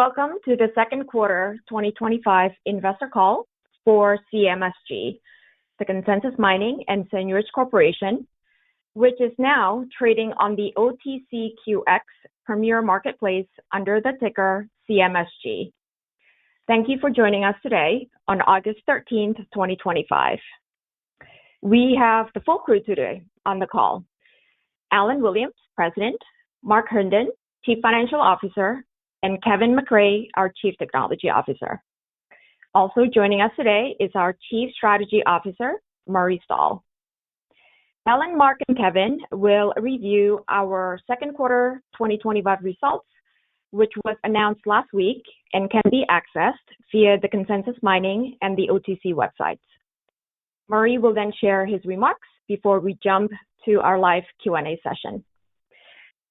Greetings and welcome to the Second Quarter 2025 Investor Call for CMSG, the Consensus Mining & Seigniorage Corporation, which is now trading on the OTCQX Premier Marketplace under the ticker CMSG. Thank you for joining us today on August 13, 2025. We have the full crew today on the call: Alun Williams, President; Mark Herndon, Chief Financial Officer; and Kevin McRae, our Chief Technology Officer. Also joining us today is our Chief Strategy Officer, Murray Stahl. Alun, Mark, and Kevin will review our second quarter 2025 results, which was announced last week and can be accessed via the Consensus Mining & Seigniorage Corporation and the OTCQX Premier Marketplace websites. Murray will then share his remarks before we jump to our live Q&A session.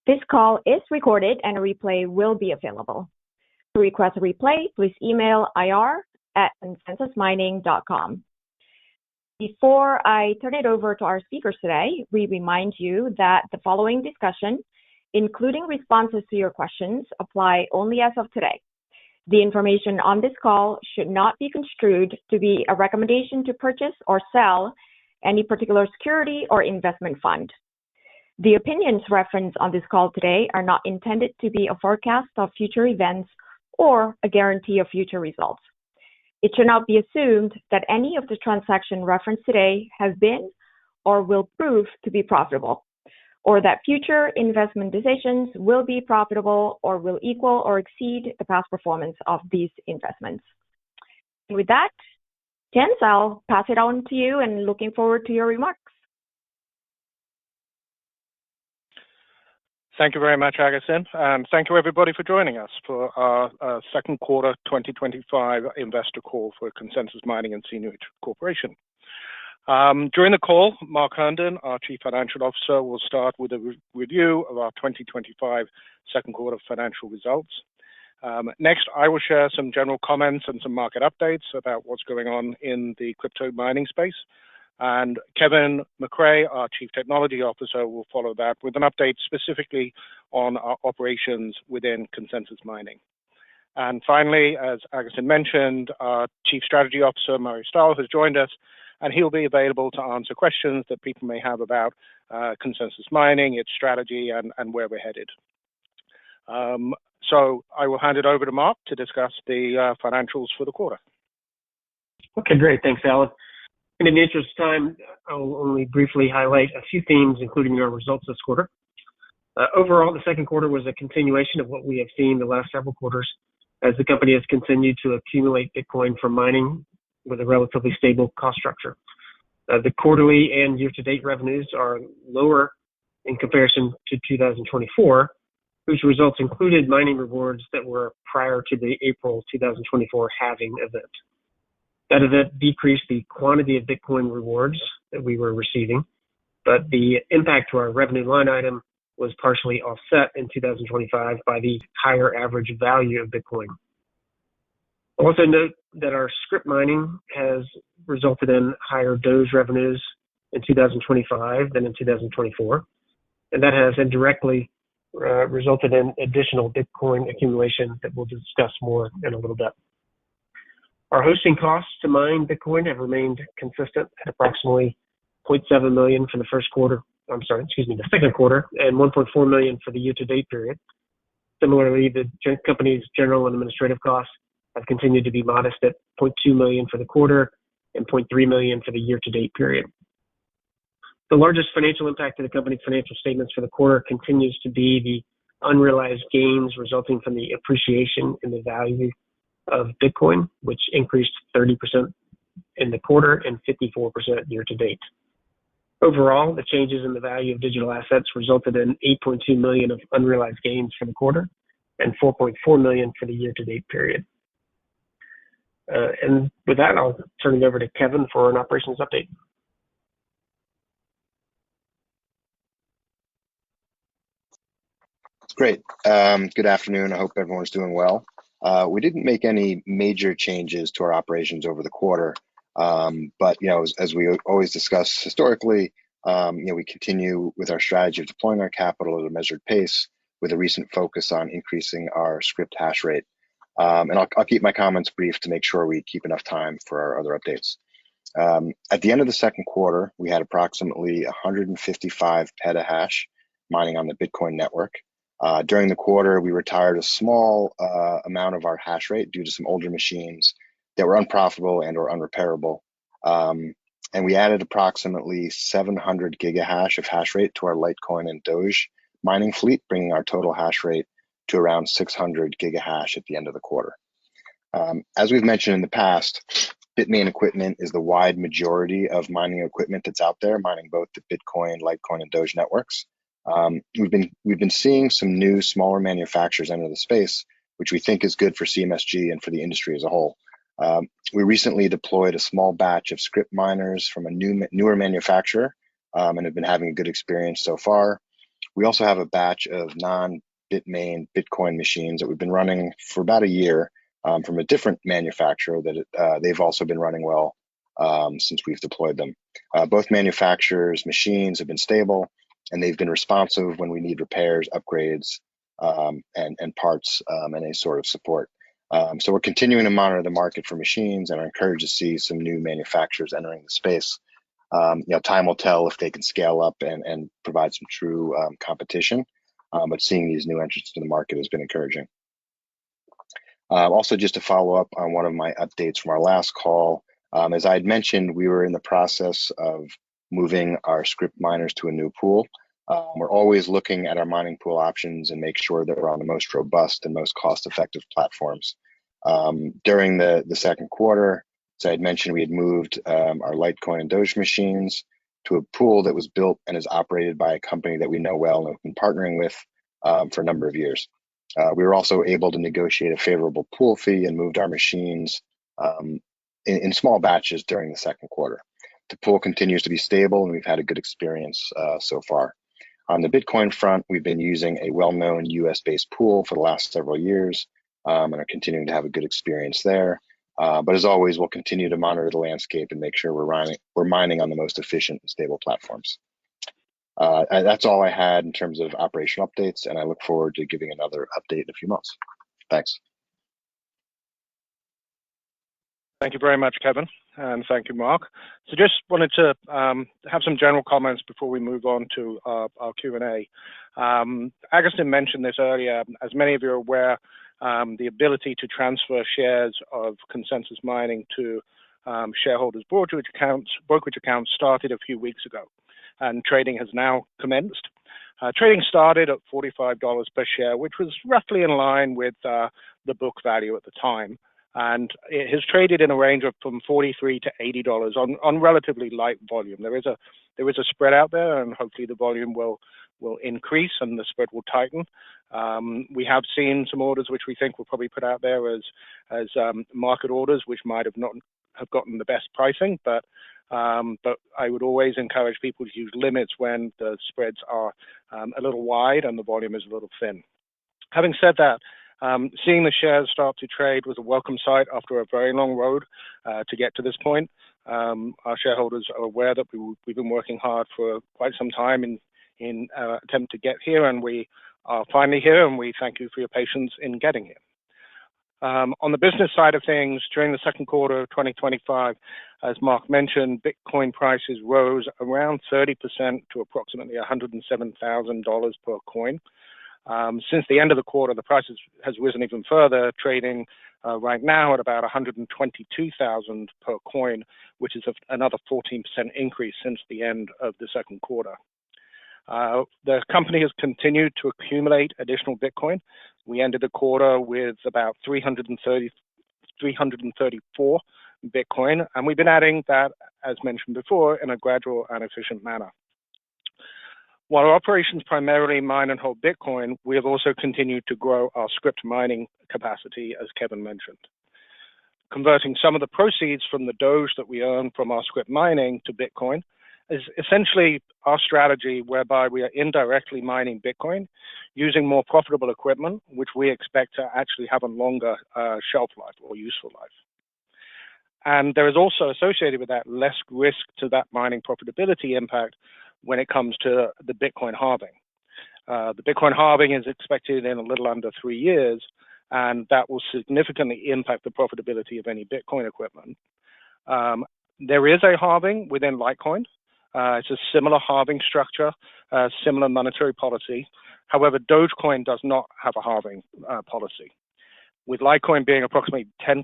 This call is recorded, and a replay will be available. To request a replay, please email ir@consensusmining.com. Before I turn it over to our speakers today, we remind you that the following discussion, including responses to your questions, apply only as of today. The information on this call should not be construed to be a recommendation to purchase or sell any particular security or investment fund. The opinions referenced on this call today are not intended to be a forecast of future events or a guarantee of future results. It should not be assumed that any of the transactions referenced today have been or will prove to be profitable, or that future investment decisions will be profitable or will equal or exceed the past performance of these investments. With that, [Kenz], I'll pass it on to you and looking forward to your remarks. Thank you very much, Agustin. Thank you, everybody, for joining us for our Second Quarter 2025 Investor Call for Consensus Mining & Seigniorage Corporation. During the call, Mark Herndon, our Chief Financial Officer, will start with a review of our 2025 second-quarter financial results. Next, I will share some general comments and some market updates about what's going on in the crypto mining space. Kevin McCray, our Chief Technology Officer, will follow that with an update specifically on our operations within Consensus Mining. Finally, as Agustin mentioned, our Chief Strategy Officer, Murray Stahl, has joined us, and he'll be available to answer questions that people may have about Consensus Mining, its strategy, and where we're headed. I will hand it over to Mark to discuss the financials for the quarter. Okay, great. Thanks, Alun. In the interest of time, I'll only briefly highlight a few themes, including our results this quarter. Overall, the second quarter was a continuation of what we have seen the last several quarters as the company has continued to accumulate Bitcoin from mining with a relatively stable cost structure. The quarterly and year-to-date revenues are lower in comparison to 2024, whose results included mining rewards that were prior to the April 2024 halving event. That event decreased the quantity of Bitcoin rewards that we were receiving, but the impact to our revenue line item was partially offset in 2025 by the higher average value of Bitcoin. Also note that our scrypt mining has resulted in higher Dogecoin revenues in 2025 than in 2024, and that has indirectly resulted in additional Bitcoin accumulation that we'll discuss more in a little bit. Our hosting costs to mine Bitcoin have remained consistent at approximately $0.7 million for the second quarter, and $1.4 million for the year-to-date period. Similarly, the company's general and administrative costs have continued to be modest at $0.2 million for the quarter and $0.3 million for the year-to-date period. The largest financial impact to the company's financial statements for the quarter continues to be the unrealized gains resulting from the appreciation in the value of Bitcoin, which increased 30% in the quarter and 54% year-to-date. Overall, the changes in the value of digital assets resulted in $8.2 million of unrealized gains for the quarter and $4.4 million for the year-to-date period. With that, I'll turn it over to Kevin for an operations update. Great. Good afternoon. I hope everyone's doing well. We didn't make any major changes to our operations over the quarter, but as we always discuss historically, we continue with our strategy of deploying our capital at a measured pace, with a recent focus on increasing our scrypt hash rate. I'll keep my comments brief to make sure we keep enough time for our other updates. At the end of the second quarter, we had approximately 155 PH/s mining on the Bitcoin network. During the quarter, we retired a small amount of our hash rate due to some older machines that were unprofitable and/or unrepairable. We added approximately 700 GH/s of hash rate to our Litecoin and Dogecoin mining fleet, bringing our total hash rate to around 600 GH/s at the end of the quarter. As we've mentioned in the past, BITMAIN equipment is the wide majority of mining equipment that's out there, mining both the Bitcoin, Litecoin, and Dogecoin networks. We've been seeing some new smaller manufacturers enter the space, which we think is good for CMSG and for the industry as a whole. We recently deployed a small batch of scrypt miners from a newer manufacturer and have been having a good experience so far. We also have a batch of non-BITMAIN Bitcoin machines that we've been running for about a year from a different manufacturer that have also been running well since we've deployed them. Both manufacturers' machines have been stable, and they've been responsive when we need repairs, upgrades, parts, and any sort of support. We're continuing to monitor the market for machines, and I'm encouraged to see some new manufacturers entering the space. Time will tell if they can scale up and provide some true competition, but seeing these new entrants to the market has been encouraging. Also, just to follow up on one of my updates from our last call, as I had mentioned, we were in the process of moving our scrypt miners to a new pool. We're always looking at our mining pool options and making sure that we're on the most robust and most cost-effective platforms. During the second quarter, as I had mentioned, we had moved our Litecoin and Dogecoin machines to a pool that was built and is operated by a company that we know well and have been partnering with for a number of years. We were also able to negotiate a favorable pool fee and moved our machines in small batches during the second quarter. The pool continues to be stable, and we've had a good experience so far. On the Bitcoin front, we've been using a well-known U.S.-based pool for the last several years and are continuing to have a good experience there. As always, we'll continue to monitor the landscape and make sure we're mining on the most efficient and stable platforms. That's all I had in terms of operational updates, and I look forward to giving another update in a few months. Thanks. Thank you very much, Kevin, and thank you, Mark. I just wanted to have some general comments before we move on to our Q&A. Agustin mentioned this earlier. As many of you are aware, the ability to transfer shares of Consensus Mining to shareholders' brokerage accounts started a few weeks ago, and trading has now commenced. Trading started at $45 per share, which was roughly in line with the book value at the time, and it has traded in a range from $43-$80 on relatively light volume. There is a spread out there, and hopefully the volume will increase and the spread will tighten. We have seen some orders which we think we'll probably put out there as market orders, which might have not gotten the best pricing, but I would always encourage people to use limits when the spreads are a little wide and the volume is a little thin. Having said that, seeing the shares start to trade was a welcome sight after a very long road to get to this point. Our shareholders are aware that we've been working hard for quite some time in an attempt to get here, and we are finally here, and we thank you for your patience in getting here. On the business side of things, during the second quarter of 2025, as Mark mentioned, Bitcoin prices rose around 30% to approximately $107,000 per coin. Since the end of the quarter, the price has risen even further, trading right now at about $122,000 per coin, which is another 14% increase since the end of the second quarter. The company has continued to accumulate additional Bitcoin. We ended the quarter with about 334 Bitcoin, and we've been adding that, as mentioned before, in a gradual and efficient manner. While our operations primarily mine and hold Bitcoin, we have also continued to grow our scrypt mining capacity, as Kevin mentioned. Converting some of the proceeds from the Dogecoin that we earn from our scrypt mining to Bitcoin is essentially our strategy, whereby we are indirectly mining Bitcoin using more profitable equipment, which we expect to actually have a longer shelf life or useful life. There is also associated with that less risk to that mining profitability impact when it comes to the Bitcoin halving. The Bitcoin halving is expected in a little under three years, and that will significantly impact the profitability of any Bitcoin equipment. There is a halving within Litecoin. It's a similar halving structure, a similar monetary policy. However, Dogecoin does not have a halving policy. With Litecoin being approximately 10%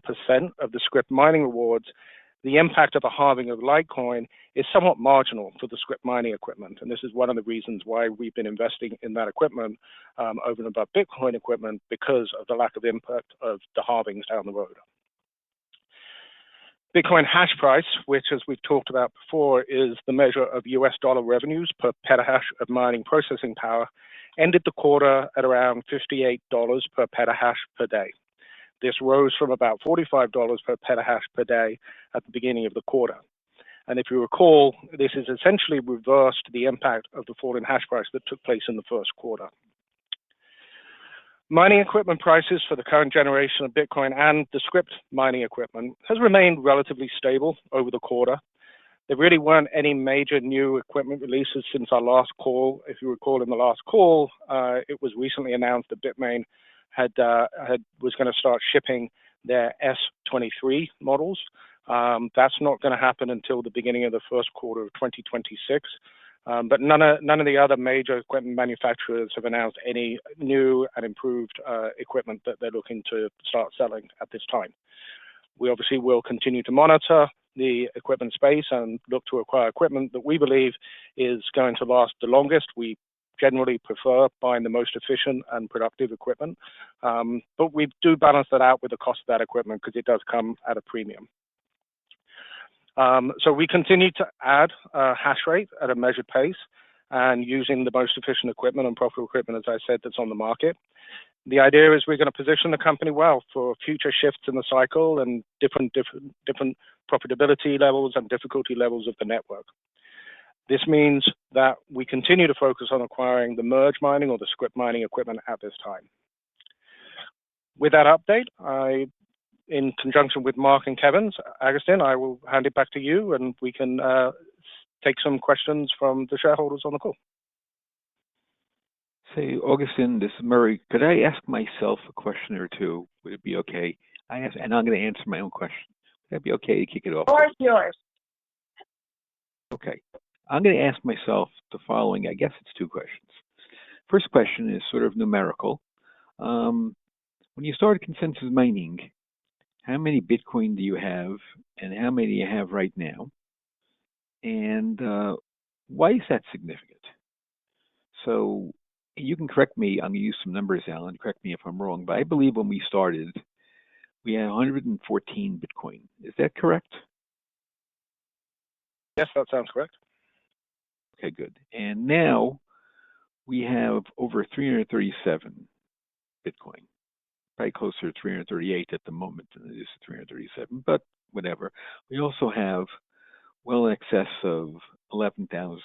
of the scrypt mining rewards, the impact of a halving of Litecoin is somewhat marginal for the scrypt mining equipment, and this is one of the reasons why we've been investing in that equipment over and above Bitcoin equipment, because of the lack of impact of the halvings down the road. Bitcoin hash price, which, as we've talked about before, is the measure of U.S. dollar revenues per petahash of mining processing power, ended the quarter at around $58 per PH/s per day. This rose from about $45 per PH/s per day at the beginning of the quarter. If you recall, this has essentially reversed the impact of the fall in hash price that took place in the first quarter. Mining equipment prices for the current generation of Bitcoin and the scrypt mining equipment have remained relatively stable over the quarter. There really weren't any major new equipment releases since our last call. If you recall, in the last call, it was recently announced that BITMAIN was going to start shipping their S23 models. That's not going to happen until the beginning of the first quarter of 2026. None of the other major equipment manufacturers have announced any new and improved equipment that they're looking to start selling at this time. We obviously will continue to monitor the equipment space and look to acquire equipment that we believe is going to last the longest. We generally prefer buying the most efficient and productive equipment, but we do balance that out with the cost of that equipment because it does come at a premium. We continue to add hash rate at a measured pace and using the most efficient equipment and profitable equipment, as I said, that's on the market. The idea is we're going to position the company well for future shifts in the cycle and different profitability levels and difficulty levels of the network. This means that we continue to focus on acquiring the merge mining or the scrypt mining equipment at this time. With that update, in conjunction with Mark and Kevin, Agustin, I will hand it back to you, and we can take some questions from the shareholders on the call. Agustin, this is Murray. Could I ask myself a question or two? Would it be okay? I'm going to answer my own question. Would that be okay to kick it off? The floor is yours. Okay. I'm going to ask myself the following, I guess it's two questions. First question is sort of numerical. When you started Consensus Mining, how many Bitcoin do you have and how many do you have right now? Why is that significant? You can correct me, I'm going to use some numbers, Alun, and correct me if I'm wrong, but I believe when we started, we had XBT XBT 114. Is that correct? Yes, that sounds correct. Okay, good. Now we have over XBT 337, probably closer to XBT 338 at the moment than it is XBT 337, but whatever. We also have well in excess of LTC 11,000.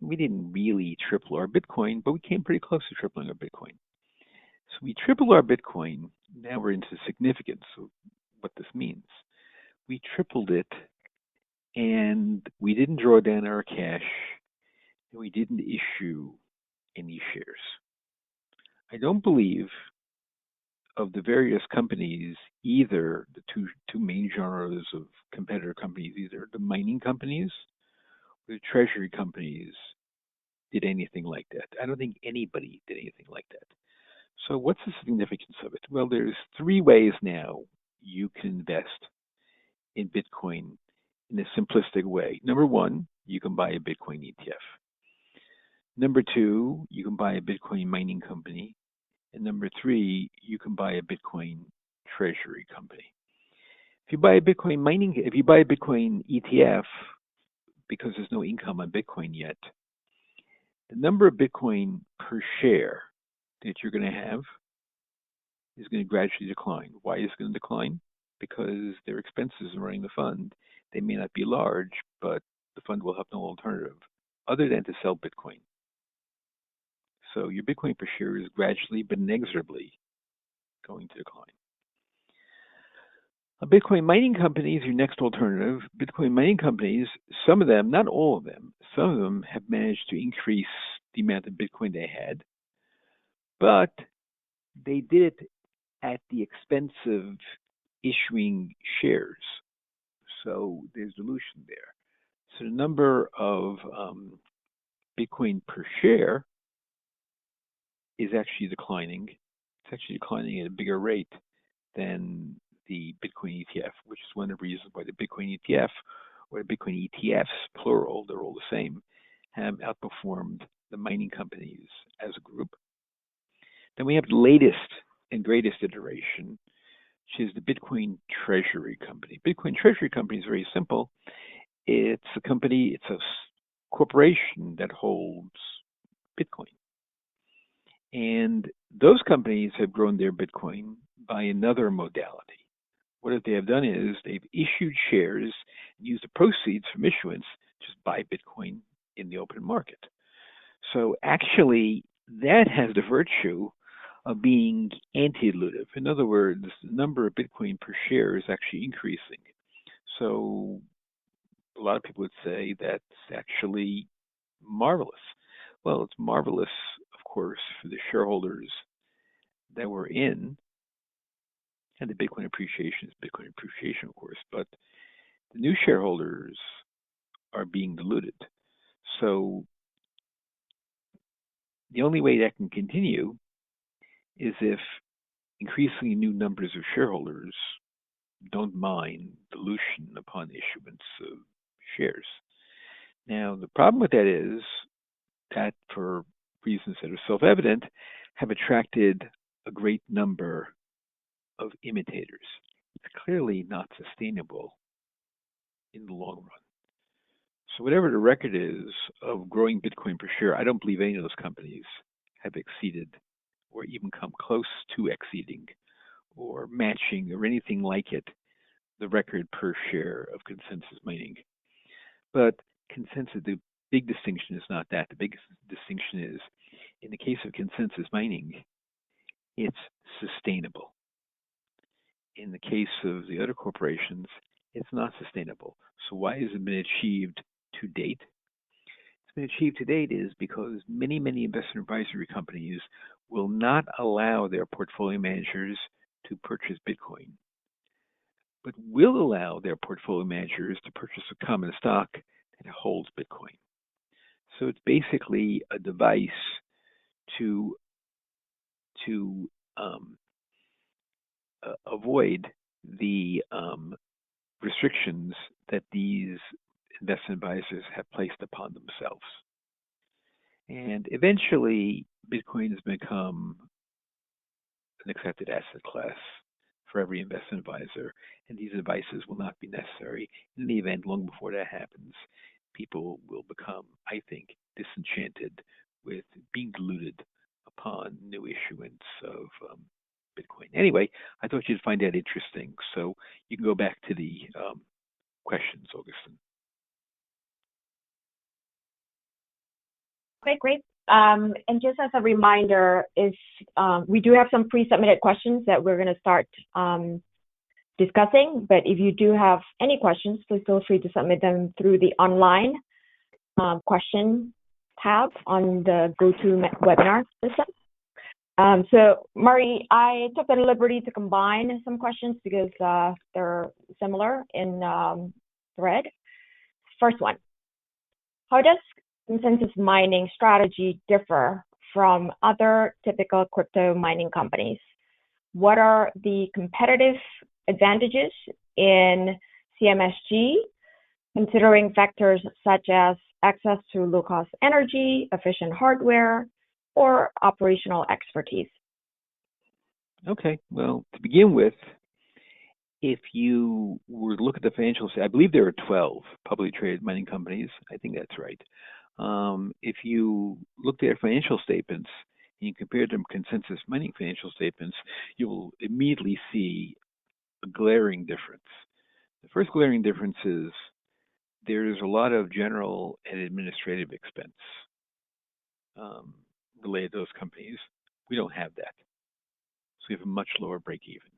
We didn't really triple our Bitcoin, but we came pretty close to tripling our Bitcoin. We tripled our Bitcoin. Now we're into significance of what this means. We tripled it and we didn't draw down our cash and we didn't issue any shares. I don't believe of the various companies, either the two main genres of competitor companies, either the mining companies or the treasury companies did anything like that. I don't think anybody did anything like that. What's the significance of it? There are three ways now you can invest in Bitcoin in a simplistic way. Number one, you can buy a Bitcoin ETF. Number two, you can buy a Bitcoin mining company. Number three, you can buy a Bitcoin treasury company. If you buy a Bitcoin ETF because there's no income on Bitcoin yet, the number of Bitcoin per share that you're going to have is going to gradually decline. Why is it going to decline? There are expenses running the fund. They may not be large, but the fund will have no alternative other than to sell Bitcoin. Your Bitcoin for sure is gradually but inexorably going to decline. A Bitcoin mining company is your next alternative. Bitcoin mining companies, some of them, not all of them, some of them have managed to increase the amount of Bitcoin they had, but they did it at the expense of issuing shares. There's dilution there. The number of Bitcoin per share is actually declining. It's actually declining at a bigger rate than the Bitcoin ETF, which is one of the reasons why the Bitcoin ETF, or the Bitcoin ETFs, plural, they're all the same, outperformed the mining companies as a group. The latest and greatest iteration is the Bitcoin treasury company. Bitcoin treasury company is very simple. It's a company, it's a corporation that holds Bitcoin. Those companies have grown their Bitcoin by another modality. What they have done is they've issued shares, used the proceeds from issuance to buy Bitcoin in the open market. That has the virtue of being antidilutive. In other words, the number of Bitcoin per share is actually increasing. A lot of people would say that's actually marvelous. It is marvelous, of course, for the shareholders that we're in, and the Bitcoin appreciation is Bitcoin appreciation, of course, but the new shareholders are being diluted. The only way that can continue is if increasingly new numbers of shareholders don't mind dilution upon issuance of shares. The problem with that is that, for reasons that are self-evident, have attracted a great number of imitators. They're clearly not sustainable in the long run. Whatever the record is of growing Bitcoin-per-share, I don't believe any of those companies have exceeded or even come close to exceeding or matching or anything like it the record per share of Consensus Mining. Consensus, the big distinction is not that. The biggest distinction is, in the case of Consensus Mining, it's sustainable. In the case of the other corporations, it's not sustainable. Why has it been achieved to date? It's been achieved to date because many, many investment advisory companies will not allow their portfolio managers to purchase Bitcoin, but will allow their portfolio managers to purchase a common stock that holds Bitcoin. It's basically a device to avoid the restrictions that these investment advisors have placed upon themselves. Eventually, Bitcoin has become an accepted asset class for every investment advisor, and these devices will not be necessary. In any event, long before that happens, people will become, I think, disenchanted with being diluted upon new issuance of Bitcoin. I thought you'd find that interesting. You can go back to the questions, Agustin. Okay, great. Just as a reminder, we do have some pre-submitted questions that we're going to start discussing. If you do have any questions, please feel free to submit them through the online question tab on the GoTo webinar. Murray, I took the liberty to combine some questions because they're similar in thread. First one, how does Consensus Mining strategy differ from other typical crypto mining companies? What are the competitive advantages in CMSG, considering factors such as access to low-cost energy, efficient hardware, or operational expertise? Okay, to begin with, if you were to look at the financials, I believe there are 12 publicly traded mining companies. I think that's right. If you look at their financial statements and you compare them to Consensus Mining financial statements, you will immediately see a glaring difference. The first glaring difference is there's a lot of general and administrative expense related to those companies. We don't have that. We have a much lower breakeven.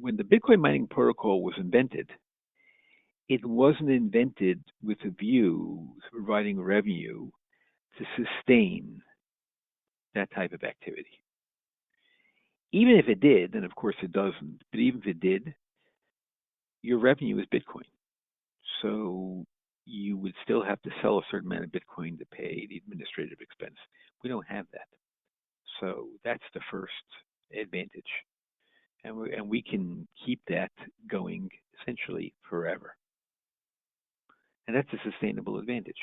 When the Bitcoin mining protocol was invented, it wasn't invented with a view of providing revenue to sustain that type of activity. Even if it did, and of course it doesn't, but even if it did, your revenue is Bitcoin. You would still have to sell a certain amount of Bitcoin to pay the administrative expense. We don't have that. That's the first advantage, and we can keep that going essentially forever. That's a sustainable advantage.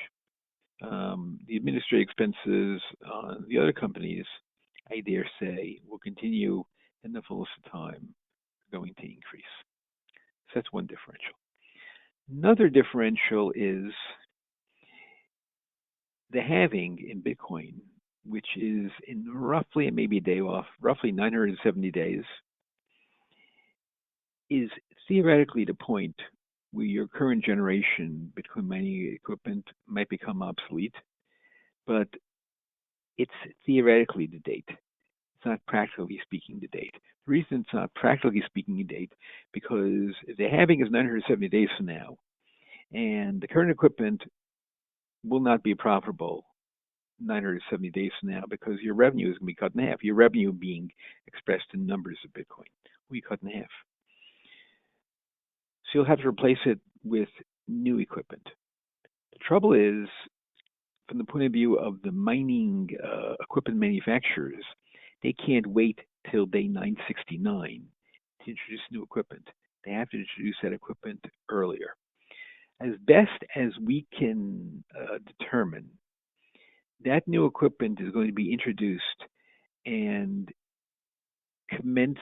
The administrative expenses on the other companies, I dare say, will continue in the fullness of time, going to increase. That's one differential. Another differential is the halving in Bitcoin, which is in roughly, and maybe a day off, roughly 970 days, is theoretically the point where your current generation Bitcoin mining equipment might become obsolete. It's theoretically to date. It's not practically speaking to date. The reason it's not practically speaking to date is because the halving is 970 days from now, and the current equipment will not be profitable 970 days from now because your revenue is going to be cut in half, your revenue being expressed in numbers of Bitcoin. We cut in half. You'll have to replace it with new equipment. The trouble is, from the point of view of the mining equipment manufacturers, they can't wait till day 969 to introduce new equipment. They have to introduce that equipment earlier. As best as we can determine, that new equipment is going to be introduced and commence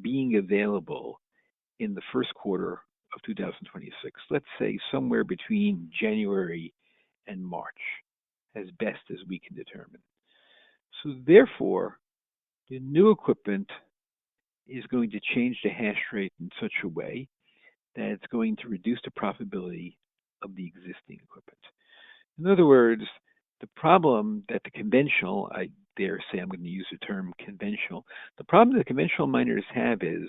being available in the first quarter of 2026. Let's say somewhere between January and March, as best as we can determine. Therefore, the new equipment is going to change the hash rate in such a way that it's going to reduce the profitability of the existing equipment. In other words, the problem that the conventional, I dare say I'm going to use the term conventional, the problem that the conventional miners have is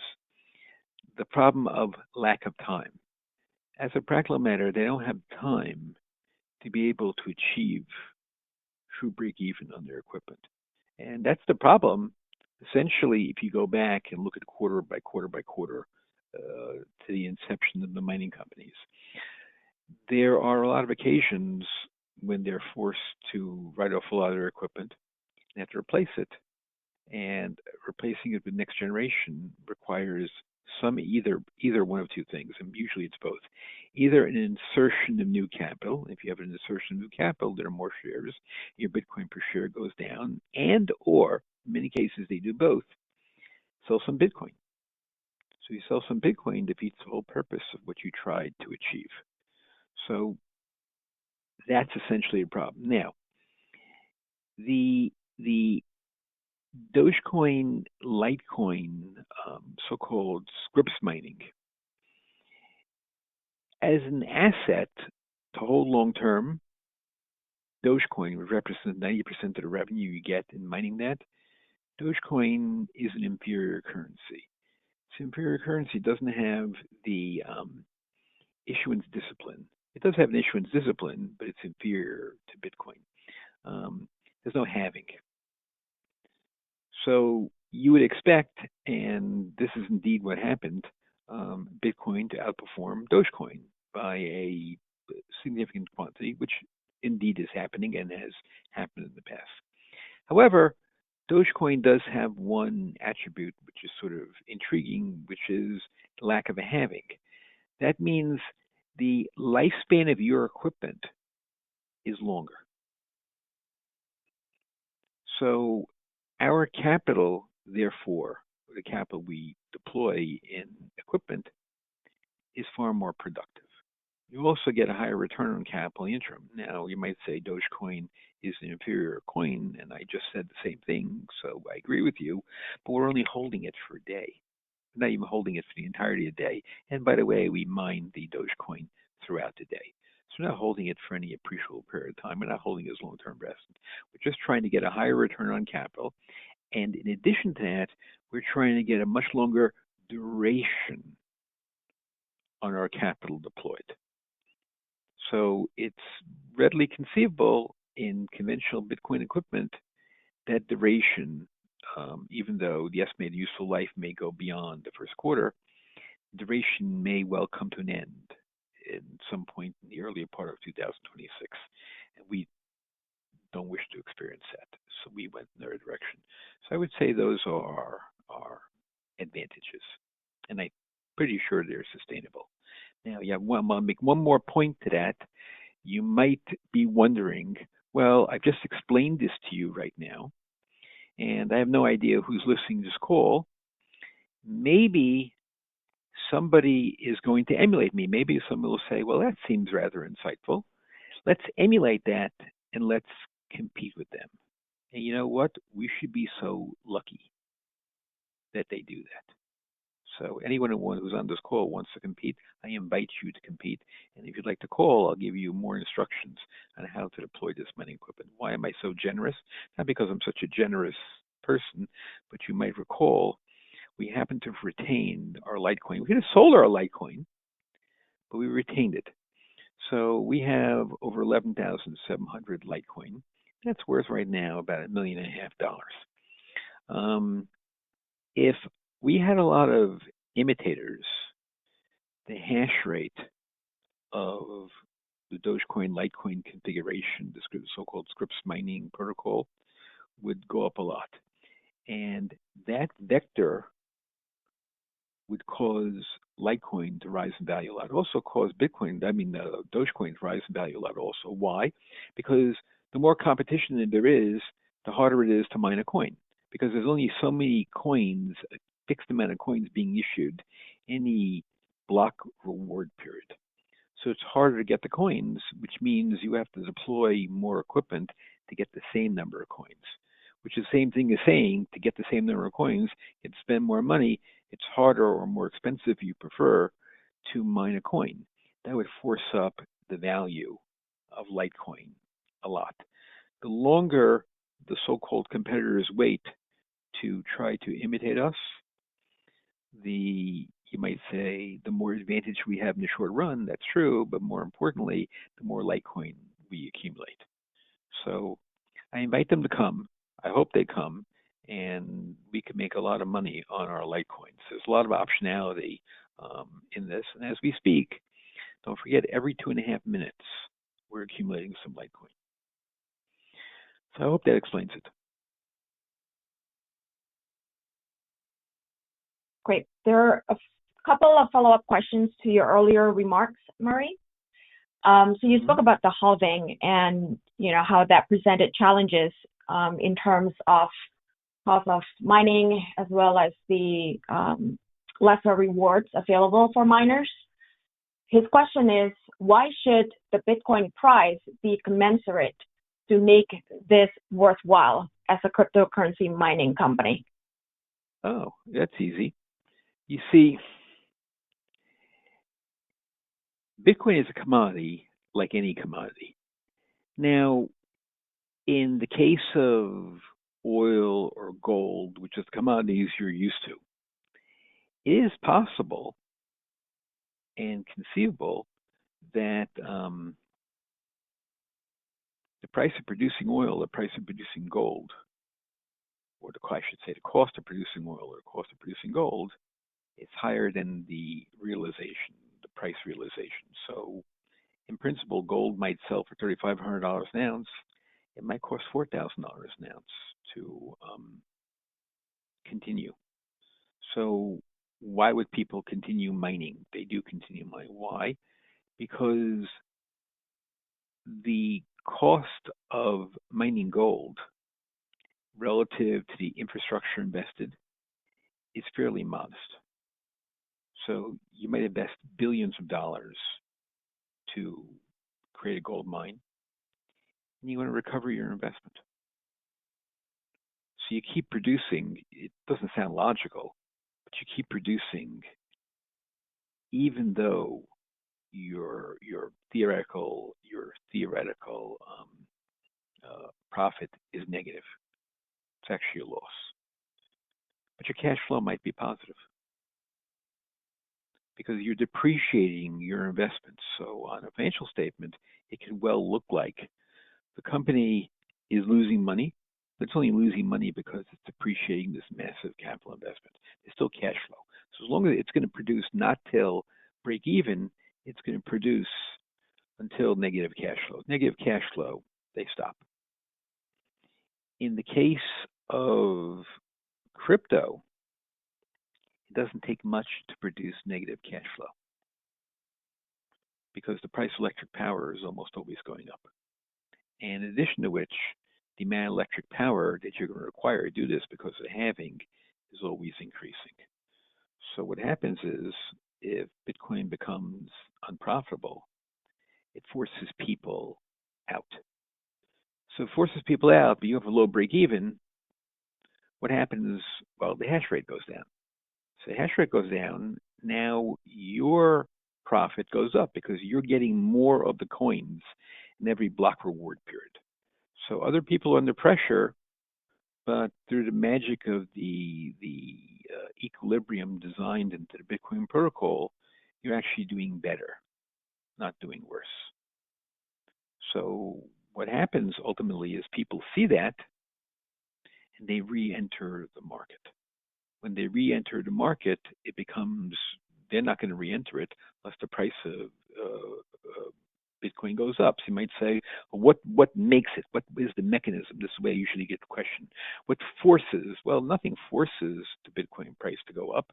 the problem of lack of time. As a practical matter, they don't have time to be able to achieve true breakeven on their equipment. That's the problem, essentially, if you go back and look at quarter by quarter by quarter, to the inception of the mining companies. There are a lot of occasions when they're forced to write off a lot of their equipment and have to replace it. Replacing it with the next generation requires either one of two things, and usually it's both. Either an insertion of new capital—if you have an insertion of new capital, there are more shares, your Bitcoin-per-share goes down—and/or in many cases they do both, sell some Bitcoin. You sell some Bitcoin to feed the whole purpose of what you tried to achieve. That's essentially a problem. Now, the Dogecoin, Litecoin, so-called scrypt mining, as an asset to hold long-term, Dogecoin would represent 90% of the revenue you get in mining that. Dogecoin is an inferior currency. It's an inferior currency, it doesn't have the issuance discipline. It does have an issuance discipline, but it's inferior to Bitcoin. There's no halving. You would expect, and this is indeed what happened, Bitcoin to outperform Dogecoin by a significant quantity, which indeed is happening and has happened in the past. However, Dogecoin does have one attribute, which is sort of intriguing, which is the lack of a halving. That means the lifespan of your equipment is longer. Our capital, therefore, the capital we deploy in equipment is far more productive. You also get a higher return on capital interim. You might say Dogecoin is an inferior coin, and I just said the same thing, so I agree with you, but we're only holding it for a day. We're not even holding it for the entirety of the day. By the way, we mine the Dogecoin throughout the day. We're not holding it for any appreciable period of time. We're not holding it as a long-term investment. We're just trying to get a higher return on capital. In addition to that, we're trying to get a much longer duration on our capital deployed. It's readily conceivable in conventional Bitcoin equipment that duration, even though the estimated useful life may go beyond the first quarter, the duration may well come to an end at some point in the earlier part of 2026. We don't wish to experience that. We went in the right direction. I would say those are our advantages. I'm pretty sure they're sustainable. I'll make one more point to that. You might be wondering, I have just explained this to you right now, and I have no idea who is listening to this call. Maybe somebody is going to emulate me. Maybe someone will say, that seems rather insightful. Let's emulate that and let's compete with them. You know what? We should be so lucky that they do that. Anyone who is on this call wants to compete, I invite you to compete. If you would like to call, I will give you more instructions on how to deploy this mining equipment. Why am I so generous? Not because I am such a generous person, but you might recall, we happen to have retained our Litecoin. We could have sold our Litecoin, but we retained it. We have over LTC 11,700. That is worth right now about $1.5 million. If we had a lot of imitators, the hash rate of the Dogecoin Litecoin configuration, the so-called scrypt mining protocol, would go up a lot. That vector would cause Litecoin to rise in value a lot. It would also cause Dogecoin to rise in value a lot also. Why? The more competition that there is, the harder it is to mine a coin, because there are only so many coins, a fixed amount of coins being issued in the block reward period. It is harder to get the coins, which means you have to deploy more equipment to get the same number of coins, which is the same thing as saying to get the same number of coins and spend more money. It is harder or more expensive, if you prefer, to mine a coin. That would force up the value of Litecoin a lot. The longer the so-called competitors wait to try to imitate us, you might say the more advantage we have in the short run, that is true, but more importantly, the more Litecoin we accumulate. I invite them to come. I hope they come, and we can make a lot of money on our Litecoin. There is a lot of optionality in this. As we speak, do not forget, every two and a half minutes, we are accumulating some Litecoin. I hope that explains it. Great. There are a couple of follow-up questions to your earlier remarks, Murray. You spoke about the Bitcoin halving and how that presented challenges in terms of cost of mining, as well as the lesser rewards available for miners. His question is, why should the Bitcoin price be commensurate to make this worthwhile as a cryptocurrency mining company? Oh, that's easy. You see, Bitcoin is a commodity like any commodity. Now, in the case of oil or gold, which are the commodities you're used to, it is possible and conceivable that the price of producing oil, the price of producing gold, or I should say the cost of producing oil or the cost of producing gold is higher than the price realization. In principle, gold might sell for $3,500 an ounce. It might cost $4,000 an ounce to continue. Why would people continue mining? They do continue mining. Why? Because the cost of mining gold relative to the infrastructure invested is fairly modest. You might invest billions of dollars to create a gold mine, and you want to recover your investment. You keep producing, it doesn't sound logical, but you keep producing even though your theoretical profit is negative. It's actually a loss, but your cash flow might be positive because you're depreciating your investment. On a financial statement, it could well look like the company is losing money, but it's only losing money because it's depreciating this massive capital investment. It's still cash flow. As long as it's going to produce not till break even, it's going to produce until negative cash flow. Negative cash flow, they stop. In the case of crypto, it doesn't take much to produce negative cash flow because the price of electric power is almost always going up. In addition to which, the amount of electric power that you're going to require to do this because of the halving is always increasing. What happens is if Bitcoin becomes unprofitable, it forces people out. It forces people out, but you have a low break even. What happens? The hash rate goes down. The hash rate goes down, now your profit goes up because you're getting more of the coins in every block reward period. Other people are under pressure, but through the magic of the equilibrium designed into the Bitcoin protocol, you're actually doing better, not doing worse. What happens ultimately is people see that and they re-enter the market. When they re-enter the market, they're not going to re-enter it unless the price of Bitcoin goes up. You might say, what makes it? What is the mechanism? This is where you usually get the question. What forces? Nothing forces the Bitcoin price to go up.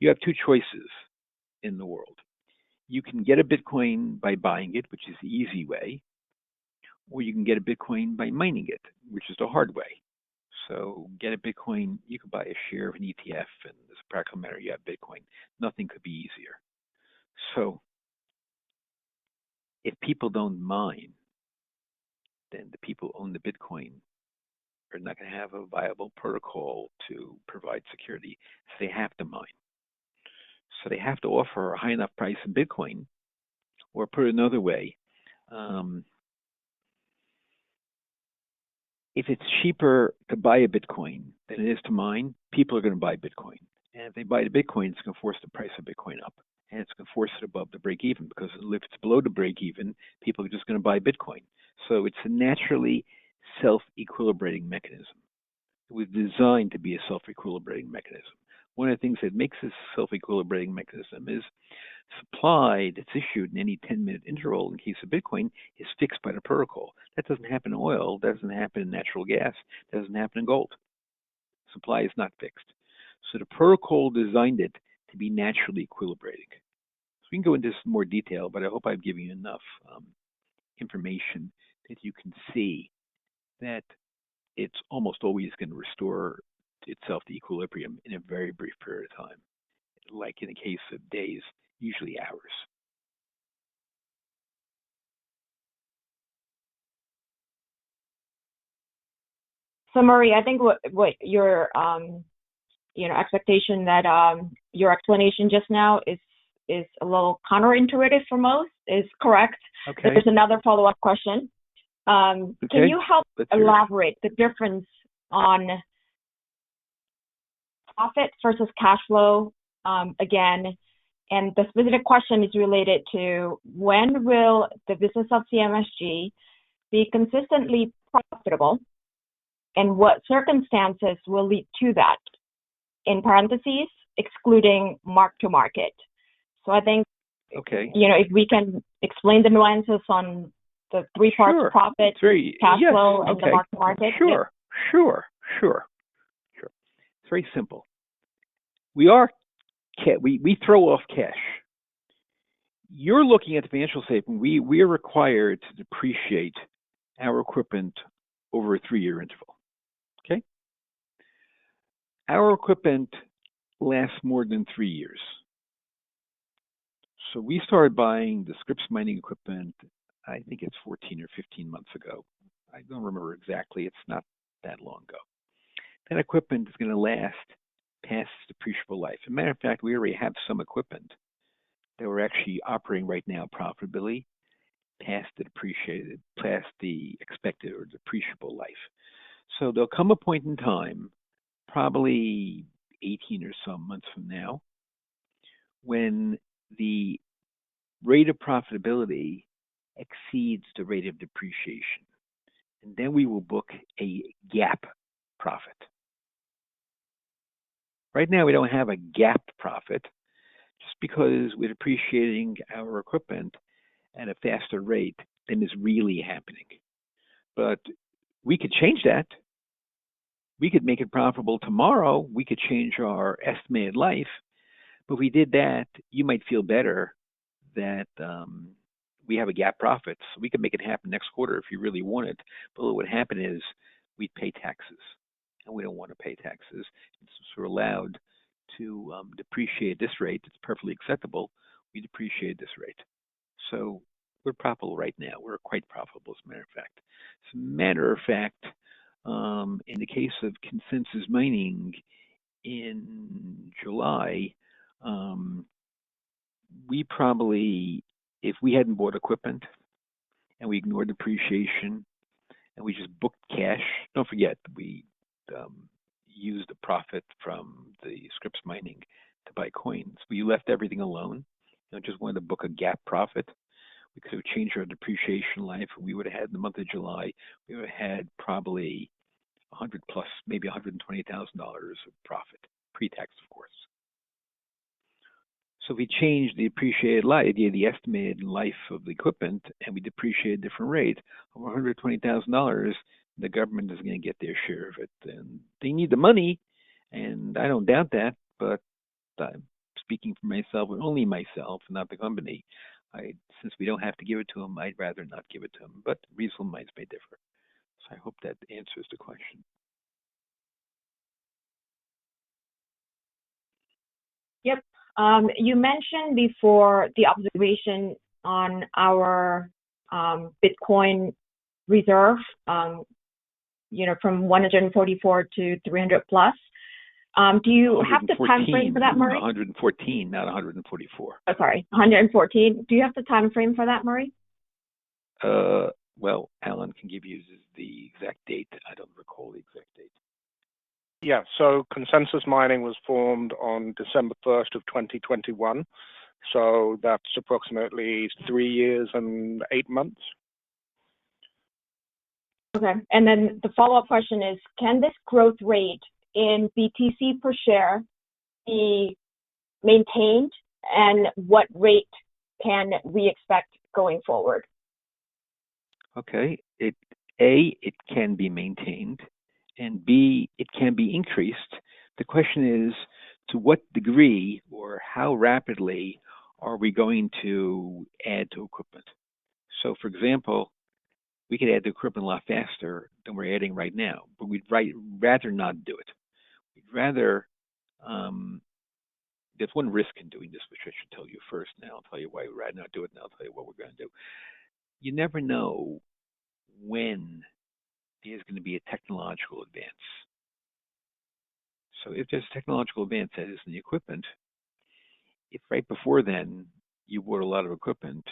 You have two choices in the world. You can get a Bitcoin by buying it, which is the easy way, or you can get a Bitcoin by mining it, which is the hard way. To get a Bitcoin, you could buy a share of an ETF, and as a practical matter, you have Bitcoin. Nothing could be easier. If people don't mine, then the people who own the Bitcoin are not going to have a viable protocol to provide security. They have to mine. They have to offer a high enough price of Bitcoin, or put it another way, if it's cheaper to buy a Bitcoin than it is to mine, people are going to buy Bitcoin. If they buy the Bitcoin, it's going to force the price of Bitcoin up. It's going to force it above the break even because if it's below the break even, people are just going to buy Bitcoin. It's a naturally self-equilibrating mechanism. It was designed to be a self-equilibrating mechanism. One of the things that makes this self-equilibrating mechanism is the supply that's issued in any 10-minute interval in the case of Bitcoin is fixed by the protocol. That doesn't happen in oil. That doesn't happen in natural gas. That doesn't happen in gold. Supply is not fixed. The protocol designed it to be naturally equilibrated. We can go into this in more detail, but I hope I've given you enough information that you can see that it's almost always going to restore itself to equilibrium in a very brief period of time, like in the case of days, usually hours. Murray, I think your expectation that your explanation just now is a little counterintuitive for most is correct. There's another follow-up question. Can you help elaborate the difference on profit versus cash flow again? The specific question is related to when will the business of CMSG be consistently profitable and what circumstances will lead to that, excluding mark-to-market. I think, if we can explain the nuances on the three-part profit, cash flow, and the mark-to-market. Sure. It's very simple. We throw off cash. You're looking at the financial statement. We're required to depreciate our equipment over a three-year interval. Our equipment lasts more than three years. We started buying the scrypt mining equipment, I think it's 14 months or 15 months ago. I don't remember exactly. It's not that long ago. That equipment is going to last past its depreciable life. As a matter of fact, we already have some equipment that we're actually operating right now profitably past the expected or depreciable life. There will come a point in time, probably 18 or some months from now, when the rate of profitability exceeds the rate of depreciation. Then we will book a GAAP profit. Right now, we don't have a GAAP profit just because we're depreciating our equipment at a faster rate than is really happening. We could change that. We could make it profitable tomorrow. We could change our estimated life. If we did that, you might feel better that we have a GAAP profit. We could make it happen next quarter if you really want it. What would happen is we'd pay taxes. We don't want to pay taxes. We're allowed to depreciate at this rate. It's perfectly acceptable. We depreciate at this rate. We're profitable right now. We're quite profitable, as a matter of fact. As a matter of fact, in the case of Consensus Mining in July, if we hadn't bought equipment and we ignored depreciation and we just booked cash, don't forget that we used the profit from the scrypt mining to buy coins. If we left everything alone and just wanted to book a GAAP profit, we could have changed our depreciation life. We would have had in the month of July, probably $100,000+, maybe $120,000 of profit, pre-tax, of course. If we changed the estimated life of the equipment, and we depreciated at a different rate, of $120,000, the government is going to get their share of it. They need the money, and I don't doubt that, but I'm speaking for myself and only myself, not the company. Since we don't have to give it to them, I'd rather not give it to them. Reasonable minds may differ. I hope that answers the question. Yep. You mentioned before the observation on our Bitcoin reserve, you know, from XBT 144 to XBT 300+. Do you have the timeframe for that, Murray? XBT 114, not XBT 144. Sorry. XBT 114. Do you have the timeframe for that, Murray? Alun can give you the exact date. I don't recall the exact date. Yeah. Consensus Mining was formed on December 1st, 2021. That's approximately three years and eight months. Okay. The follow-up question is, can this growth rate in BTC per share be maintained? What rate can we expect going forward? Okay. It can be maintained. It can be increased. The question is, to what degree or how rapidly are we going to add to equipment? For example, we could add the equipment a lot faster than we're adding right now, but we'd rather not do it. There's one risk in doing this, which I should tell you first. I'll tell you why we'd rather not do it. I'll tell you what we're going to do. You never know when there's going to be a technological advance. If there's a technological advance that is in the equipment, if right before then you bought a lot of equipment,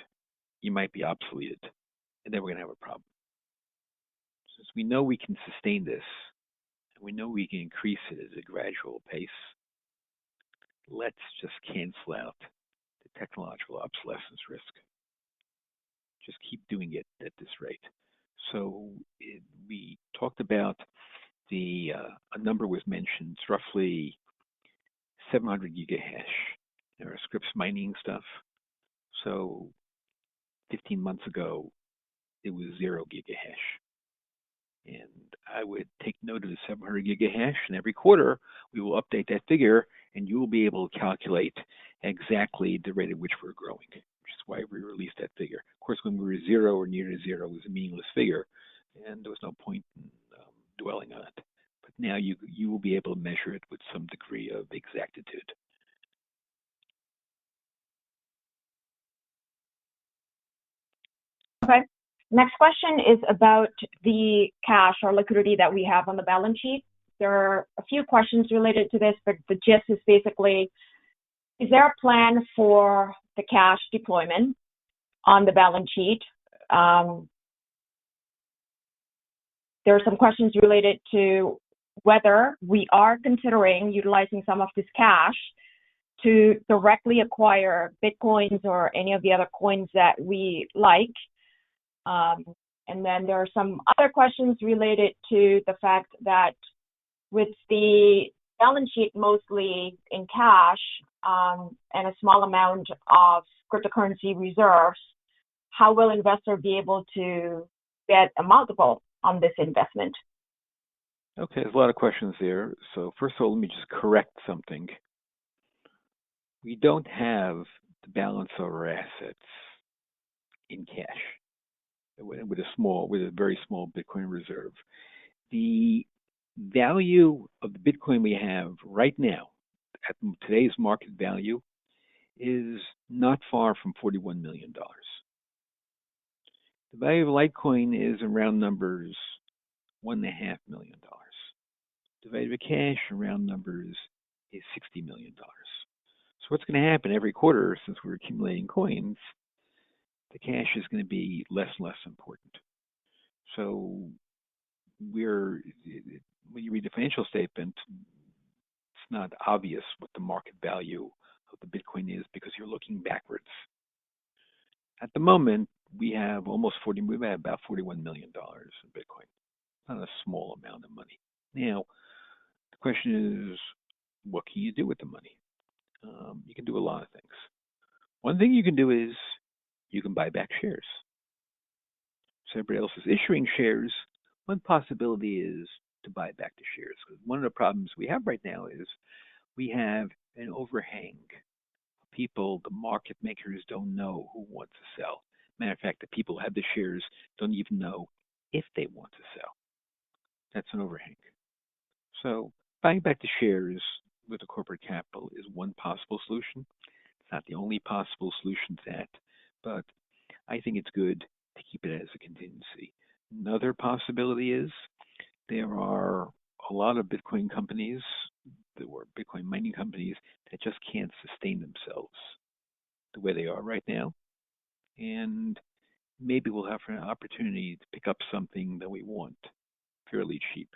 you might be obsoleted. We're going to have a problem. Since we know we can sustain this and we know we can increase it at a gradual pace, let's just cancel out the technological obsolescence risk. Just keep doing it at this rate. We talked about the, a number was mentioned, it's roughly 700 GH/s. There are scrypt mining stuff. 15 months ago, it was 0 GH/s. I would take note of the 700 GH/s, and every quarter, we will update that figure, and you will be able to calculate exactly the rate at which we're growing. That's why we released that figure. Of course, when we were zero or near zero, it was a meaningless figure, and there was no point in dwelling on it. Now you will be able to measure it with some degree of exactitude. Okay. Next question is about the cash or liquidity that we have on the balance sheet. There are a few questions related to this, but the gist is basically, is there a plan for the cash deployment on the balance sheet? There are some questions related to whether we are considering utilizing some of this cash to directly acquire Bitcoin or any of the other coins that we like. There are some other questions related to the fact that with the balance sheet mostly in cash and a small amount of cryptocurrency reserves, how will investors be able to get a multiple on this investment? Okay. There's a lot of questions there. First of all, let me just correct something. We don't have the balance of our assets in cash with a very small Bitcoin reserve. The value of the Bitcoin we have right now at today's market value is not far from $41 million. The value of Litecoin is, around numbers, $1.5 million. Divided by cash, around numbers, is $60 million. What's going to happen every quarter since we're accumulating coins? The cash is going to be less and less important. When you read the financial statement, it's not obvious what the market value of the Bitcoin is because you're looking backwards. At the moment, we have almost $41 million in Bitcoin. Not a small amount of money. The question is, what can you do with the money? You can do a lot of things. One thing you can do is you can buy back shares. Everybody else is issuing shares. One possibility is to buy back the shares. One of the problems we have right now is we have an overhang. The market makers don't know who wants to sell. As a matter of fact, the people who have the shares don't even know if they want to sell. That's an overhang. Buying back the shares with the corporate capital is one possible solution. It's not the only possible solution to that, but I think it's good to keep it as a contingency. Another possibility is there are a lot of Bitcoin companies that were Bitcoin mining companies that just can't sustain themselves the way they are right now. Maybe we'll have an opportunity to pick up something that we want fairly cheap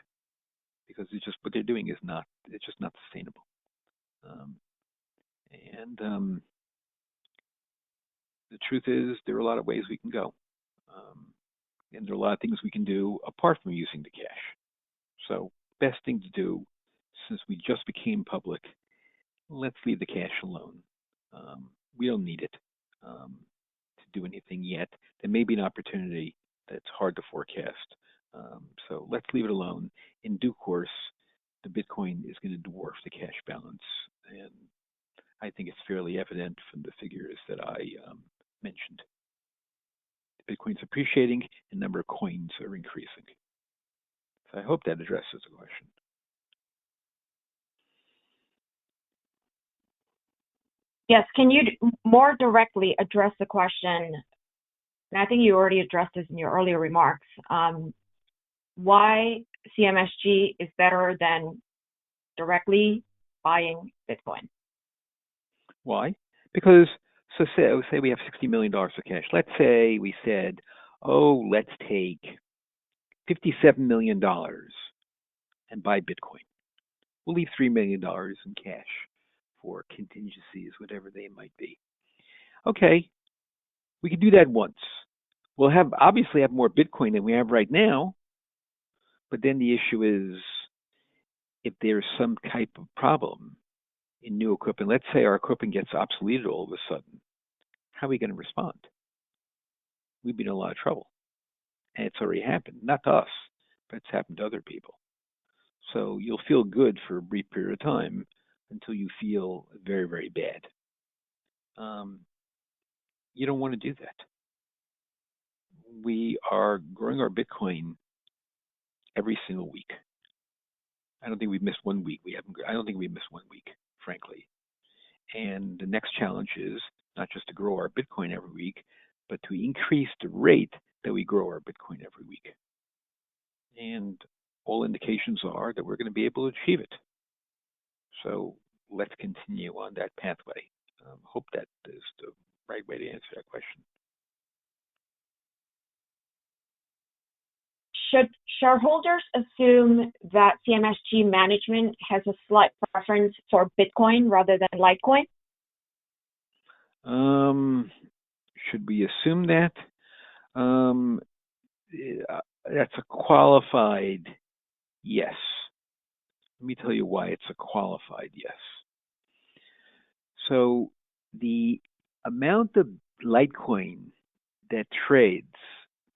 because what they're doing is just not sustainable. The truth is there are a lot of ways we can go. There are a lot of things we can do apart from using the cash. The best thing to do since we just became public, let's leave the cash alone. We don't need it to do anything yet. There may be an opportunity that's hard to forecast. Let's leave it alone. In due course, the Bitcoin is going to dwarf the cash balance. I think it's fairly evident from the figures that I mentioned. The Bitcoin is appreciating and the number of coins are increasing. I hope that addresses the question. Yes. Can you more directly address the question? I think you already addressed this in your earlier remarks. Why is CMSG better than directly buying Bitcoin? Why? Because, say we have $60 million of cash. Let's say we said, oh, let's take $57 million and buy Bitcoin. We'll leave $3 million in cash for contingencies, whatever they might be. Okay. We could do that once. We'll obviously have more Bitcoin than we have right now. The issue is if there's some type of problem in new equipment, let's say our equipment gets obsoleted all of a sudden, how are we going to respond? We'd be in a lot of trouble. It's already happened, not to us, but it's happened to other people. You'll feel good for a brief period of time until you feel very, very bad. You don't want to do that. We are growing our Bitcoin every single week. I don't think we've missed one week, frankly. The next challenge is not just to grow our Bitcoin every week, but to increase the rate that we grow our Bitcoin every week. All indications are that we're going to be able to achieve it. Let's continue on that pathway. I hope that is the right way to answer that question. Should shareholders assume that CMSG management has a slight preference for Bitcoin rather than Litecoin? That's a qualified yes. Let me tell you why it's a qualified yes. The amount of Litecoin that trades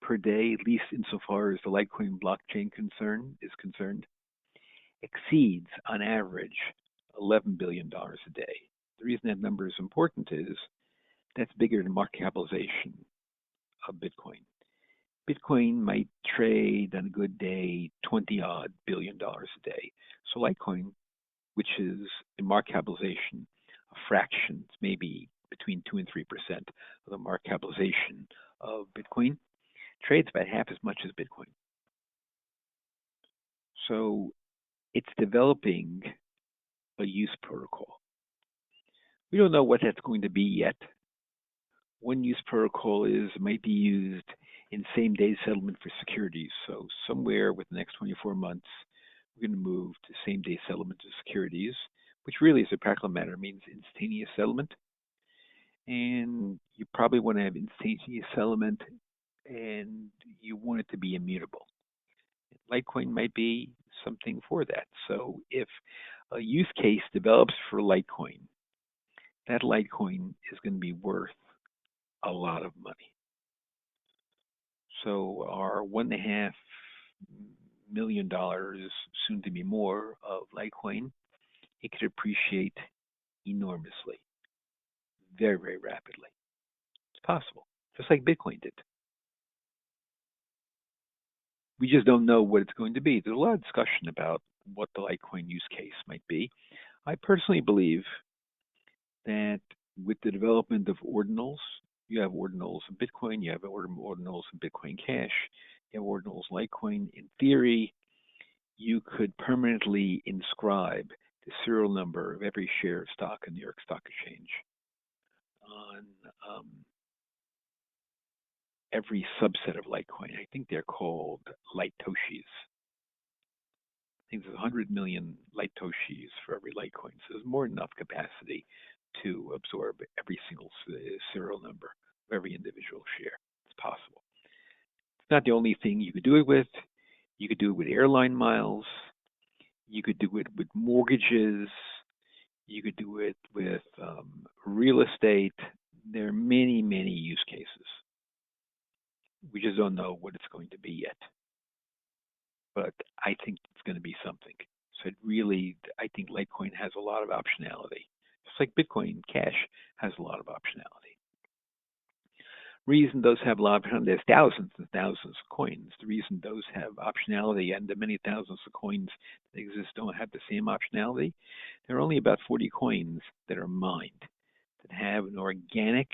per day, at least insofar as the Litecoin blockchain is concerned, exceeds, on average, $11 billion a day. The reason that number is important is that's bigger than the market capitalization of Bitcoin. Bitcoin might trade, on a good day, $20 billion a day. Litecoin, which is a market capitalization of fractions, maybe between 2% and 3% of the market capitalization of Bitcoin, trades about half as much as Bitcoin. It's developing a use protocol. We don't know what that's going to be yet. One use protocol is it might be used in same-day settlement for securities. Somewhere within the next 24 months, we're going to move to same-day settlement of securities, which really, as a practical matter, means instantaneous settlement. You probably want to have instantaneous settlement, and you want it to be immutable. Litecoin might be something for that. If a use case develops for Litecoin, that Litecoin is going to be worth a lot of money. Our $1.5 million, soon to be more, of Litecoin, it could appreciate enormously, very, very rapidly. It's possible, just like Bitcoin did. We just don't know what it's going to be. There's a lot of discussion about what the Litecoin use case might be. I personally believe that with the development of ordinals, you have ordinals of Bitcoin, you have ordinals of Bitcoin Cash, you have ordinals of Litecoin. In theory, you could permanently inscribe the serial number of every share of stock in the New York Stock Exchange on every subset of Litecoin. I think they're called Litoshis. I think there's 100 million Litoshis for every Litecoin. There's more than enough capacity to absorb every single serial number of every individual share. It's possible. It's not the only thing you could do it with. You could do it with airline miles. You could do it with mortgages. You could do it with real estate. There are many, many use cases. We just don't know what it's going to be yet. I think it's going to be something. It really, I think Litecoin has a lot of optionality. Just like Bitcoin and cash has a lot of optionality. The reason those have a lot of optionality, there's thousands and thousands of coins. The reason those have optionality and the many thousands of coins that exist don't have the same optionality, there are only about 40 coins that are mined that have an organic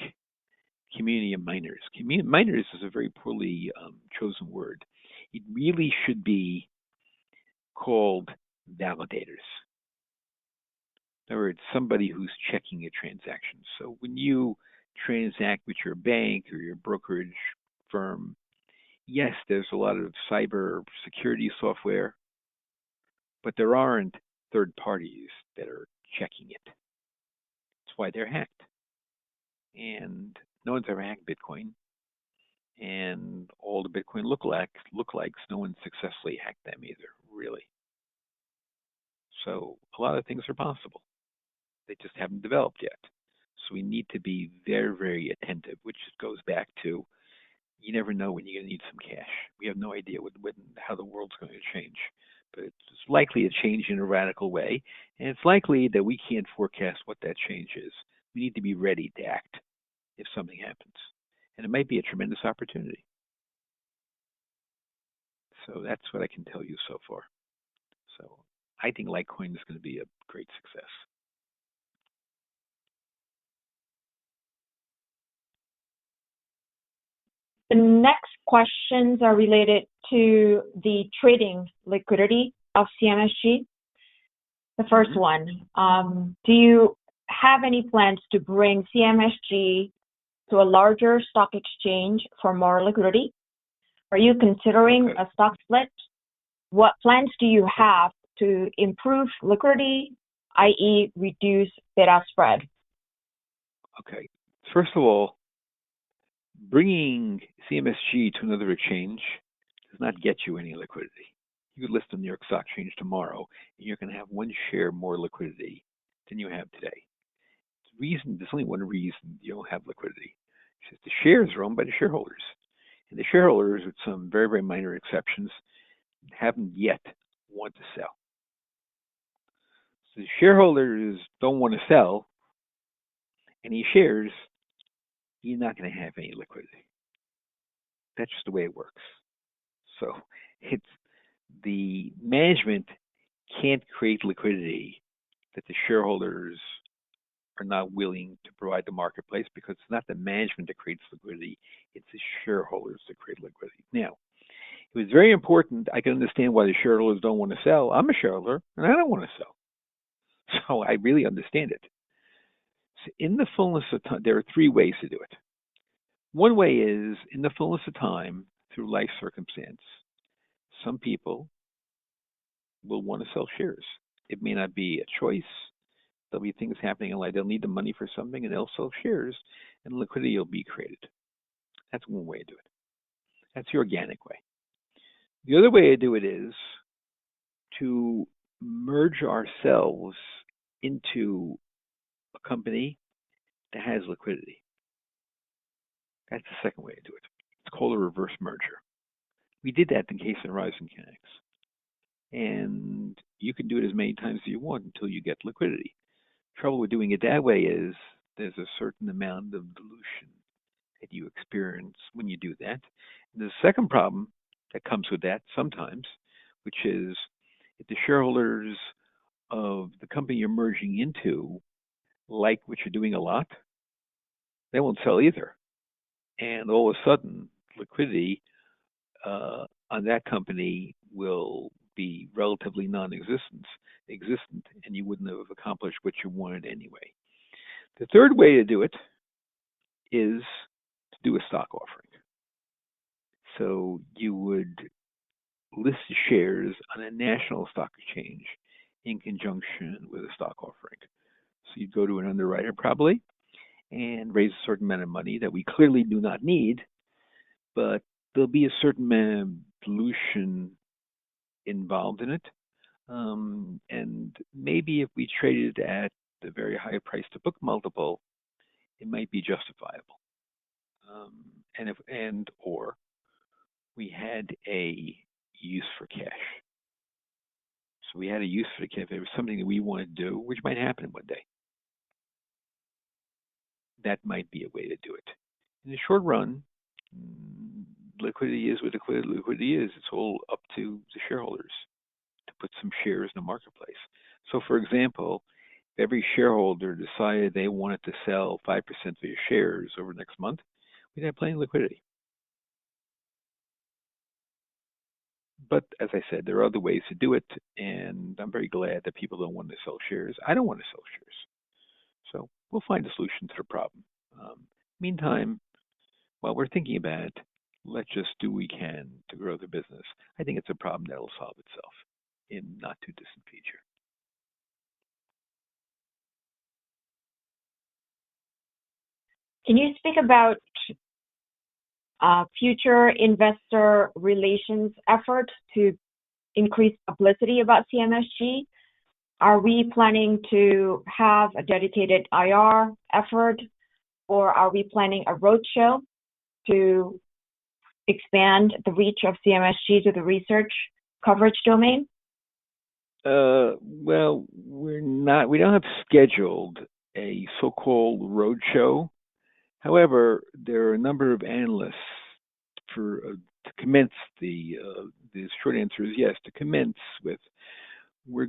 community of miners. Miners is a very poorly chosen word. It really should be called validators. In other words, somebody who's checking a transaction. When you transact with your bank or your brokerage firm, yes, there's a lot of cybersecurity software, but there aren't third parties that are checking it. That's why they're hacked. No one's ever hacked Bitcoin. All the Bitcoin look-alikes, no one's successfully hacked them either, really. A lot of things are possible. They just haven't developed yet. We need to be very, very attentive, which goes back to you never know when you're going to need some cash. We have no idea how the world's going to change. It's likely to change in a radical way. It's likely that we can't forecast what that change is. We need to be ready to act if something happens. It might be a tremendous opportunity. That's what I can tell you so far. I think Litecoin is going to be a great success. The next questions are related to the trading liquidity of CMSG. The first one, do you have any plans to bring CMSG to a larger stock exchange for more liquidity? Are you considering a stock split? What plans do you have to improve liquidity, i.e., reduce bid-ask spread? Okay. First of all, bringing CMSG to another exchange does not get you any liquidity. You could list on the New York Stock Exchange tomorrow, and you're going to have one share more liquidity than you have today. The reason, there's only one reason you don't have liquidity. It's just the shares are owned by the shareholders. The shareholders, with some very, very minor exceptions, haven't yet wanted to sell. If the shareholders don't want to sell any shares, you're not going to have any liquidity. That's just the way it works. Management can't create liquidity that the shareholders are not willing to provide the marketplace because it's not the management that creates liquidity. It's the shareholders that create liquidity. Now, it was very important. I can understand why the shareholders don't want to sell. I'm a shareholder, and I don't want to sell. I really understand it. In the fullness of time, there are three ways to do it. One way is, in the fullness of time, through life circumstance, some people will want to sell shares. It may not be a choice. There'll be things happening in life. They'll need the money for something, and they'll sell shares, and liquidity will be created. That's one way to do it. That's the organic way. The other way to do it is to merge ourselves into a company that has liquidity. That's the second way to do it. It's called a reverse merger. We did that in the case of Horizon Kinetics. You could do it as many times as you want until you get liquidity. The trouble with doing it that way is there's a certain amount of dilution that you experience when you do that. There's a second problem that comes with that sometimes, which is if the shareholders of the company you're merging into like what you're doing a lot, they won't sell either. All of a sudden, liquidity on that company will be relatively nonexistent, and you wouldn't have accomplished what you wanted anyway. The third way to do it is to do a stock offering. You would list the shares on a national stock exchange in conjunction with a stock offering. You'd go to an underwriter probably and raise a certain amount of money that we clearly do not need, but there'll be a certain amount of dilution involved in it. Maybe if we traded at the very high price to book multiple, it might be justifiable. If we had a use for cash, there was something that we wanted to do, which might happen one day. That might be a way to do it. In the short run, liquidity is what liquidity is. It's all up to the shareholders to put some shares in the marketplace. For example, if every shareholder decided they wanted to sell 5% of your shares over the next month, we'd have plenty of liquidity. As I said, there are other ways to do it, and I'm very glad that people don't want to sell shares. I don't want to sell shares. We'll find a solution to the problem. Meantime, while we're thinking about it, let's just do what we can to grow the business. I think it's a problem that'll solve itself in the not-too-distant future. Can you speak about future investor relations efforts to increase publicity about CMSG? Are we planning to have a dedicated IR effort, or are we planning a roadshow to expand the reach of CMSG to the research coverage domain? We don't have scheduled a so-called roadshow. However, there are a number of analysts to commence with. The short answer is yes, to commence with. We're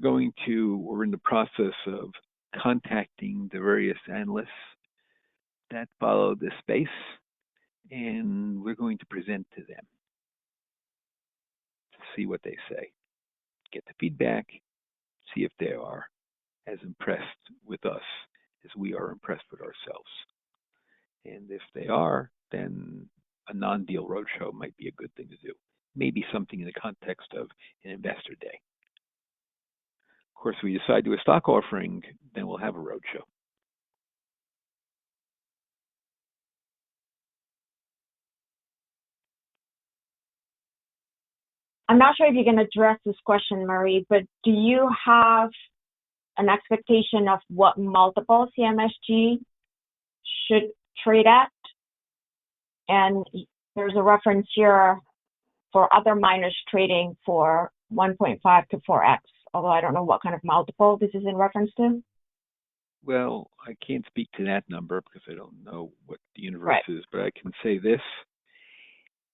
in the process of contacting the various analysts that follow this space, and we're going to present to them to see what they say, get the feedback, see if they are as impressed with us as we are impressed with ourselves. If they are, then a non-deal roadshow might be a good thing to do, maybe something in the context of an investor day. Of course, if we decide to do a stock offering, then we'll have a roadshow. I'm not sure if you can address this question, Murray, but do you have an expectation of what multiple CMSG should trade at? There's a reference here for other miners trading for 1.5x-4x, although I don't know what kind of multiple this is in reference to. I can't speak to that number because I don't know what the universe is, but I can say this.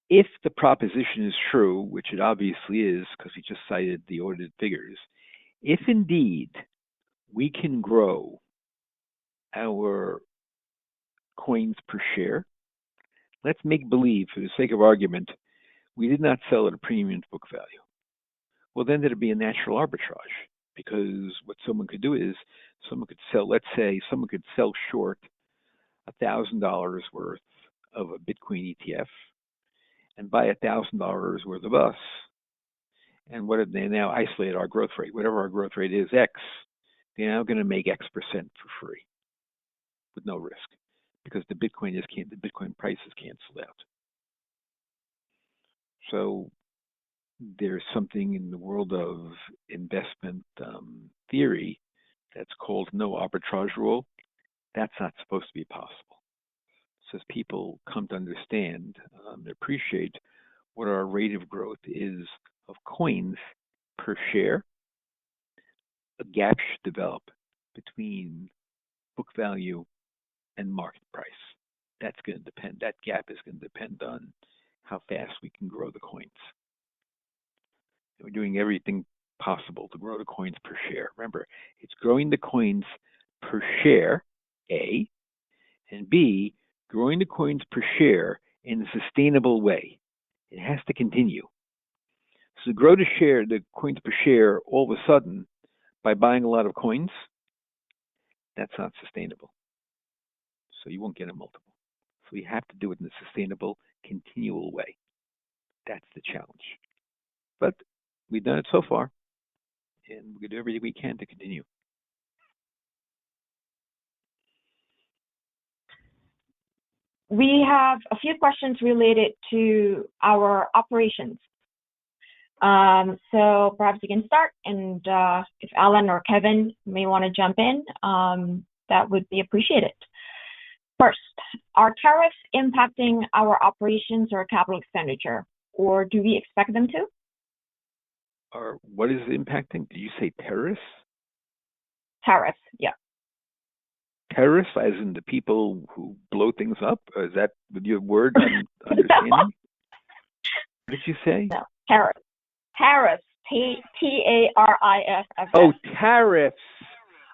If the proposition is true, which it obviously is because we just cited the ordinate figures, if indeed we can grow our coins per share, let's make believe for the sake of argument we did not sell at a premium book value. There would be a natural arbitrage because what someone could do is sell short $1,000 worth of a Bitcoin ETF and buy $1,000 worth of us. If they now isolate our growth rate, whatever our growth rate is, X, they're now going to make X% for free with no risk because the Bitcoin price is canceled out. There is something in the world of investment theory that's called the no arbitrage rule. That's not supposed to be possible. As people come to understand and appreciate what our rate of growth is of coins per share, a gap should develop between book value and market price. That gap is going to depend on how fast we can grow the coins. We're doing everything possible to grow the coins per share. Remember, it's growing the coins per share, A, and B, growing the coins per share in a sustainable way. It has to continue. To grow the coins per share all of a sudden by buying a lot of coins, that's not sustainable, so you won't get a multiple. We have to do it in a sustainable, continual way. That's the challenge. We've done it so far, and we're going to do everything we can to continue. We have a few questions related to our operations. Perhaps you can start, and if Alun or Kevin may want to jump in, that would be appreciated. First, are tariffs impacting our operations or capital expenditure, or do we expect them to? What is it impacting? Did you say tariffs? Tariffs, yeah. Tariffs, as in the people who blow things up? Is that your words? No. What did you say? No. Tariffs. Tariffs, T-A-R-I-F-F. Oh, tariffs.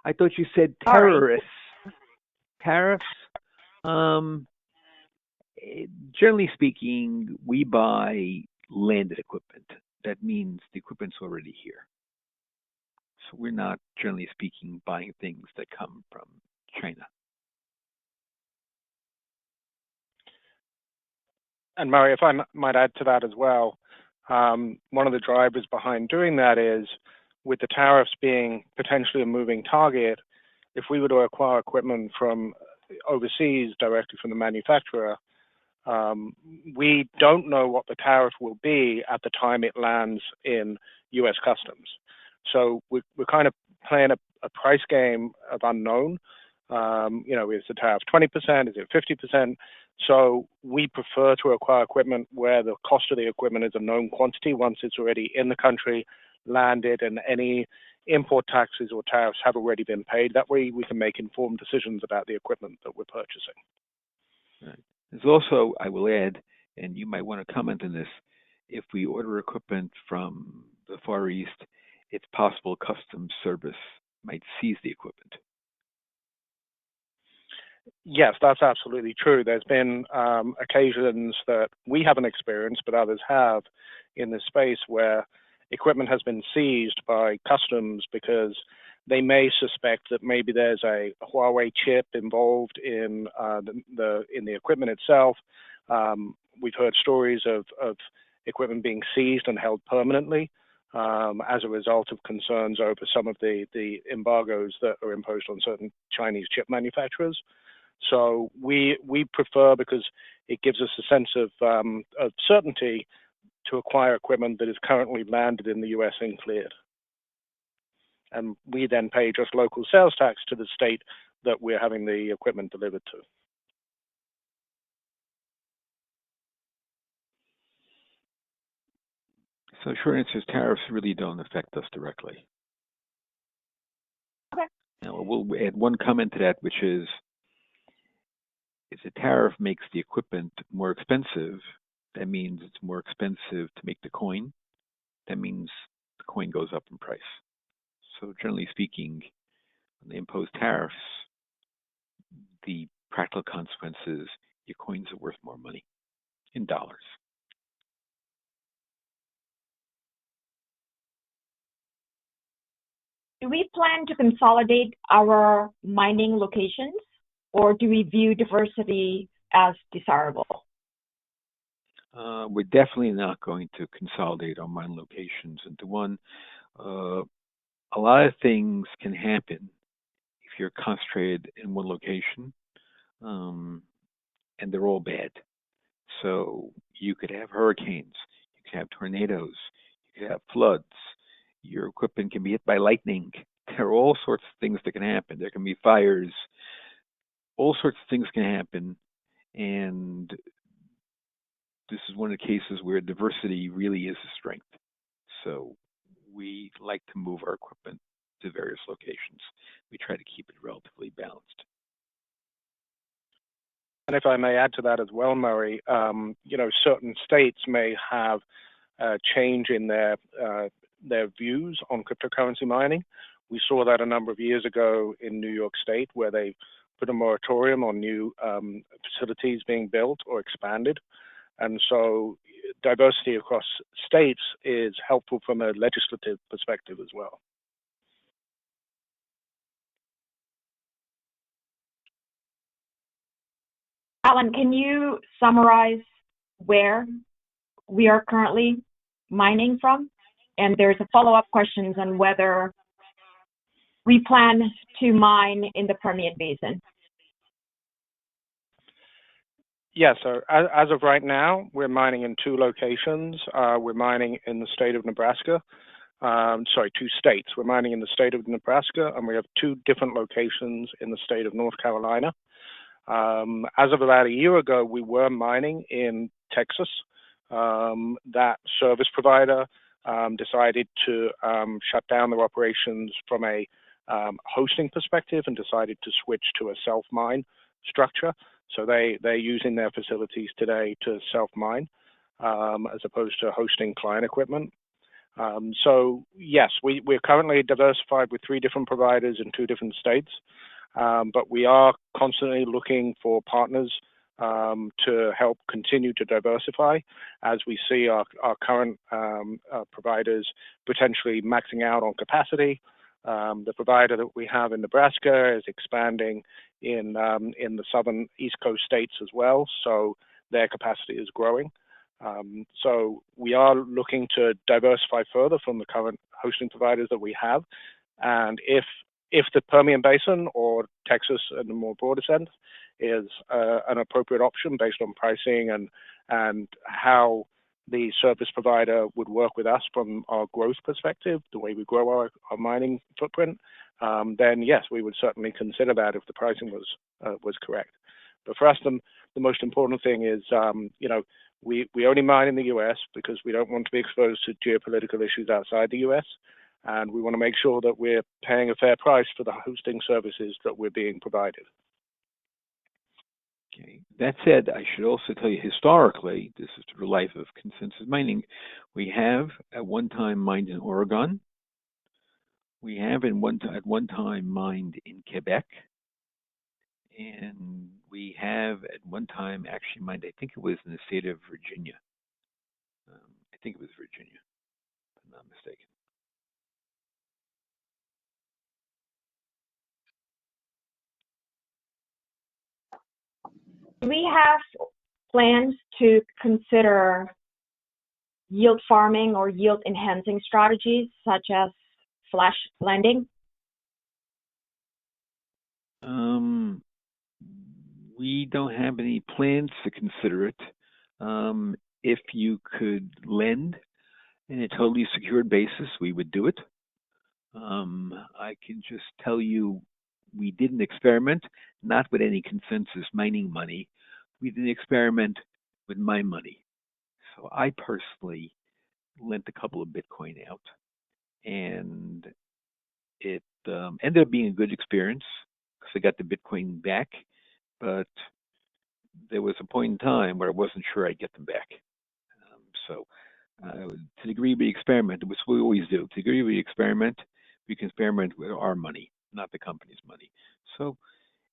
I thought you said terrorists. Tariffs. Generally speaking, we buy landed equipment. That means the equipment's already here, so we're not, generally speaking, buying things that come from China. Murray, if I might add to that as well, one of the drivers behind doing that is with the tariffs being potentially a moving target. If we were to acquire equipment from overseas directly from the manufacturer, we don't know what the tariff will be at the time it lands in U.S. customs. We're kind of playing a price game of unknown. You know, is the tariff 20%? Is it 50%? We prefer to acquire equipment where the cost of the equipment is a known quantity once it's already in the country, landed, and any import taxes or tariffs have already been paid. That way, we can make informed decisions about the equipment that we're purchasing. Right. There's also, I will add, and you might want to comment on this, if we order equipment from the Far East, it's possible customs service might seize the equipment. Yes, that's absolutely true. There have been occasions that we haven't experienced, but others have in this space where equipment has been seized by customs because they may suspect that maybe there's a Huawei chip involved in the equipment itself. We've heard stories of equipment being seized and held permanently as a result of concerns over some of the embargoes that are imposed on certain Chinese chip manufacturers. We prefer, because it gives us a sense of certainty, to acquire equipment that is currently landed in the U.S. and cleared. We then pay just local sales tax to the state that we're having the equipment delivered to. The short answer is tariffs really don't affect us directly. Okay. Now, we'll add one comment to that, which is, if the tariff makes the equipment more expensive, that means it's more expensive to make the coin. That means the coin goes up in price. Generally speaking, when they impose tariffs, the practical consequence is your coins are worth more money in dollars. Do we plan to consolidate our mining locations, or do we view diversity as desirable? We're definitely not going to consolidate our mining locations. A lot of things can happen if you're concentrated in one location, and they're all bad. You could have hurricanes, tornadoes, or floods. Your equipment can be hit by lightning. There are all sorts of things that can happen. There can be fires. This is one of the cases where diversity really is a strength. We like to move our equipment to various locations and try to keep it relatively balanced. If I may add to that as well, Murray, certain states may have a change in their views on cryptocurrency mining. We saw that a number of years ago in New York State where they put a moratorium on new facilities being built or expanded. Diversity across states is helpful from a legislative perspective as well. Alun, can you summarize where we are currently mining from? There's a follow-up question on whether we plan to mine in the Permian Basin. Yeah. As of right now, we're mining in two locations. We're mining in the state of Nebraska, sorry, two states. We're mining in the state of Nebraska, and we have two different locations in the state of North Carolina. As of about a year ago, we were mining in Texas. That service provider decided to shut down their operations from a hosting perspective and decided to switch to a self-mine structure. They're using their facilities today to self-mine as opposed to hosting client equipment. Yes, we're currently diversified with three different providers in two different states, but we are constantly looking for partners to help continue to diversify as we see our current providers potentially maxing out on capacity. The provider that we have in Nebraska is expanding in the southern East Coast states as well. Their capacity is growing. We are looking to diversify further from the current hosting providers that we have. If the Permian Basin or Texas in the more broader sense is an appropriate option based on pricing and how the service provider would work with us from our growth perspective, the way we grow our mining footprint, then yes, we would certainly consider that if the pricing was correct. For us, the most important thing is, you know, we only mine in the U.S. because we don't want to be exposed to geopolitical issues outside the U.S. We want to make sure that we're paying a fair price for the hosting services that we. Okay. That said, I should also tell you, historically, this is related to Consensus Mining. We have, at one time, mined in Oregon. We have, at one time, mined in Quebec. We have, at one time, actually mined, I think it was in the state of Virginia. I think it was Virginia, if I'm not mistaken. Do we have plans to consider yield farming or yield-enhancing strategies such as flash lending? We don't have any plans to consider it. If you could lend on a totally secured basis, we would do it. I can just tell you we didn't experiment, not with any Consensus Mining money. We didn't experiment with my money. I personally lent a couple of Bitcoin out. It ended up being a good experience because I got the Bitcoin back. There was a point in time where I wasn't sure I'd get them back. To the degree we experiment, which we always do, we can experiment with our money, not the company's money.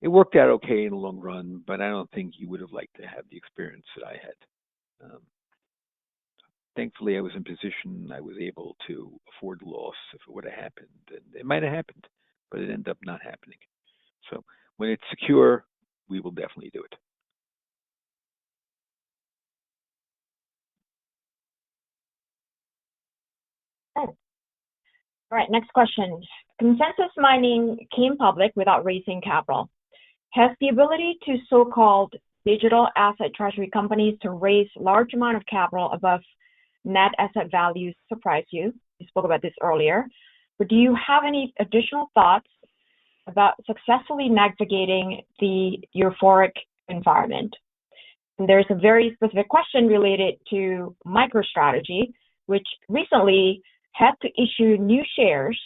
It worked out okay in the long run. I don't think you would have liked to have the experience that I had. Thankfully, I was in position. I was able to afford the loss. If it would have happened, it might have happened, but it ended up not happening. When it's secure, we will definitely do it. Okay. All right. Next question. Consensus Mining came public without raising capital. Has the ability of so-called digital asset treasury companies to raise a large amount of capital above net asset value surprised you? We spoke about this earlier. Do you have any additional thoughts about successfully navigating the euphoric environment? There is a very specific question related to MicroStrategy, which recently had to issue new shares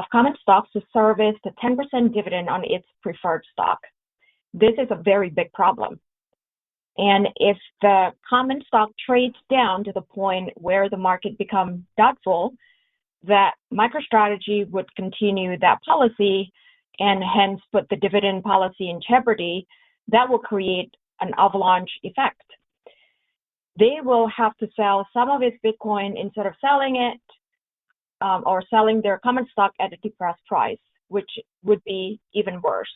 of common stock to service the 10% dividend on its preferred stock. This is a very big problem. If the common stock trades down to the point where the market becomes doubtful that MicroStrategy would continue that policy and hence put the dividend policy in jeopardy, that will create an avalanche effect. They will have to sell some of its Bitcoin instead of selling it or selling their common stock at a depressed price, which would be even worse.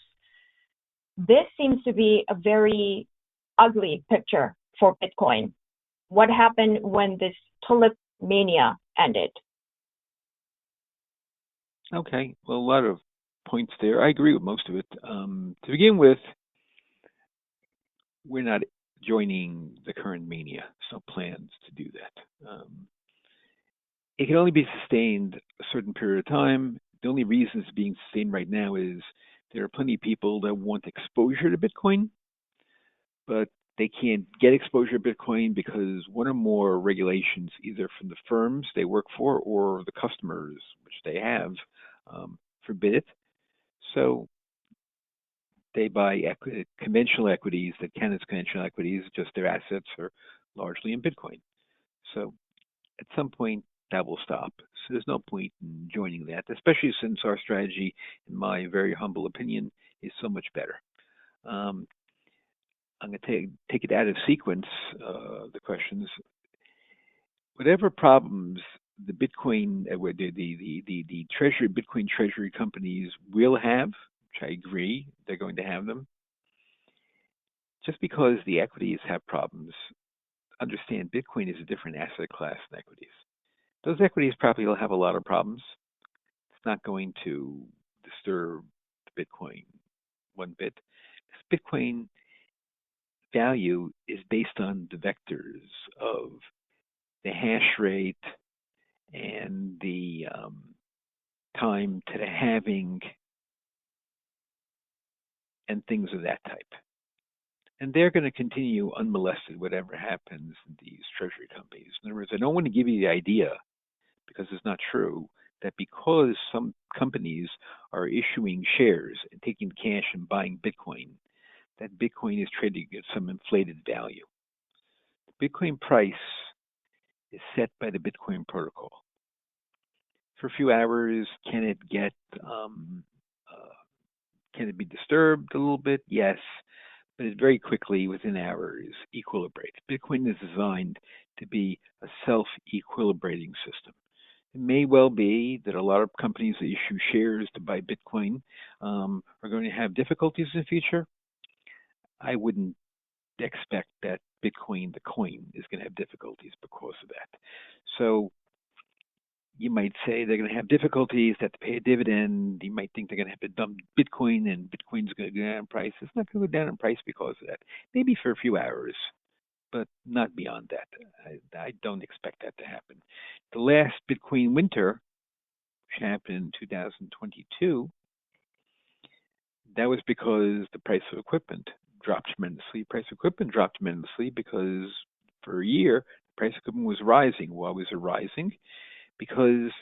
This seems to be a very ugly picture for Bitcoin. What happened when this tulip mania ended? Okay. A lot of points there. I agree with most of it. To begin with, we're not joining the current mania. Plans to do that can only be sustained a certain period of time. The only reason it's being sustained right now is there are plenty of people that want exposure to Bitcoin, but they can't get exposure to Bitcoin because one or more regulations, either from the firms they work for or the customers which they have, forbid it. They buy conventional equities that count as conventional equities. Their assets are largely in Bitcoin. At some point, that will stop. There's no point in joining that, especially since our strategy, in my very humble opinion, is so much better. I'm going to take it out of sequence, the questions. Whatever problems the Bitcoin or the Bitcoin treasury companies will have, which I agree, they're going to have them, just because the equities have problems, understand Bitcoin is a different asset class than equities. Those equities probably will have a lot of problems. It's not going to disturb Bitcoin one bit. Bitcoin value is based on the vectors of the hash rate and the time to the halving and things of that type. They're going to continue unmolested whatever happens with these treasury companies. In other words, I don't want to give you the idea, because it's not true, that because some companies are issuing shares and taking cash and buying Bitcoin, that Bitcoin is trading at some inflated value. The Bitcoin price is set by the Bitcoin protocol. For a few hours, can it be disturbed a little bit? Yes. Very quickly, within hours, it equilibrates. Bitcoin is designed to be a self-equilibrating system. It may well be that a lot of companies that issue shares to buy Bitcoin are going to have difficulties in the future. I wouldn't expect that Bitcoin, the coin, is going to have difficulties because of that. You might say they're going to have difficulties that pay a dividend. You might think they're going to have to dump Bitcoin, and Bitcoin is going to go down in price. It's not going to go down in price because of that. Maybe for a few hours, but not beyond that. I don't expect that to happen. The last Bitcoin winter happened in 2022. That was because the price of equipment dropped tremendously. The price of equipment dropped tremendously because for a year, the price of equipment was rising. Why was it rising? Because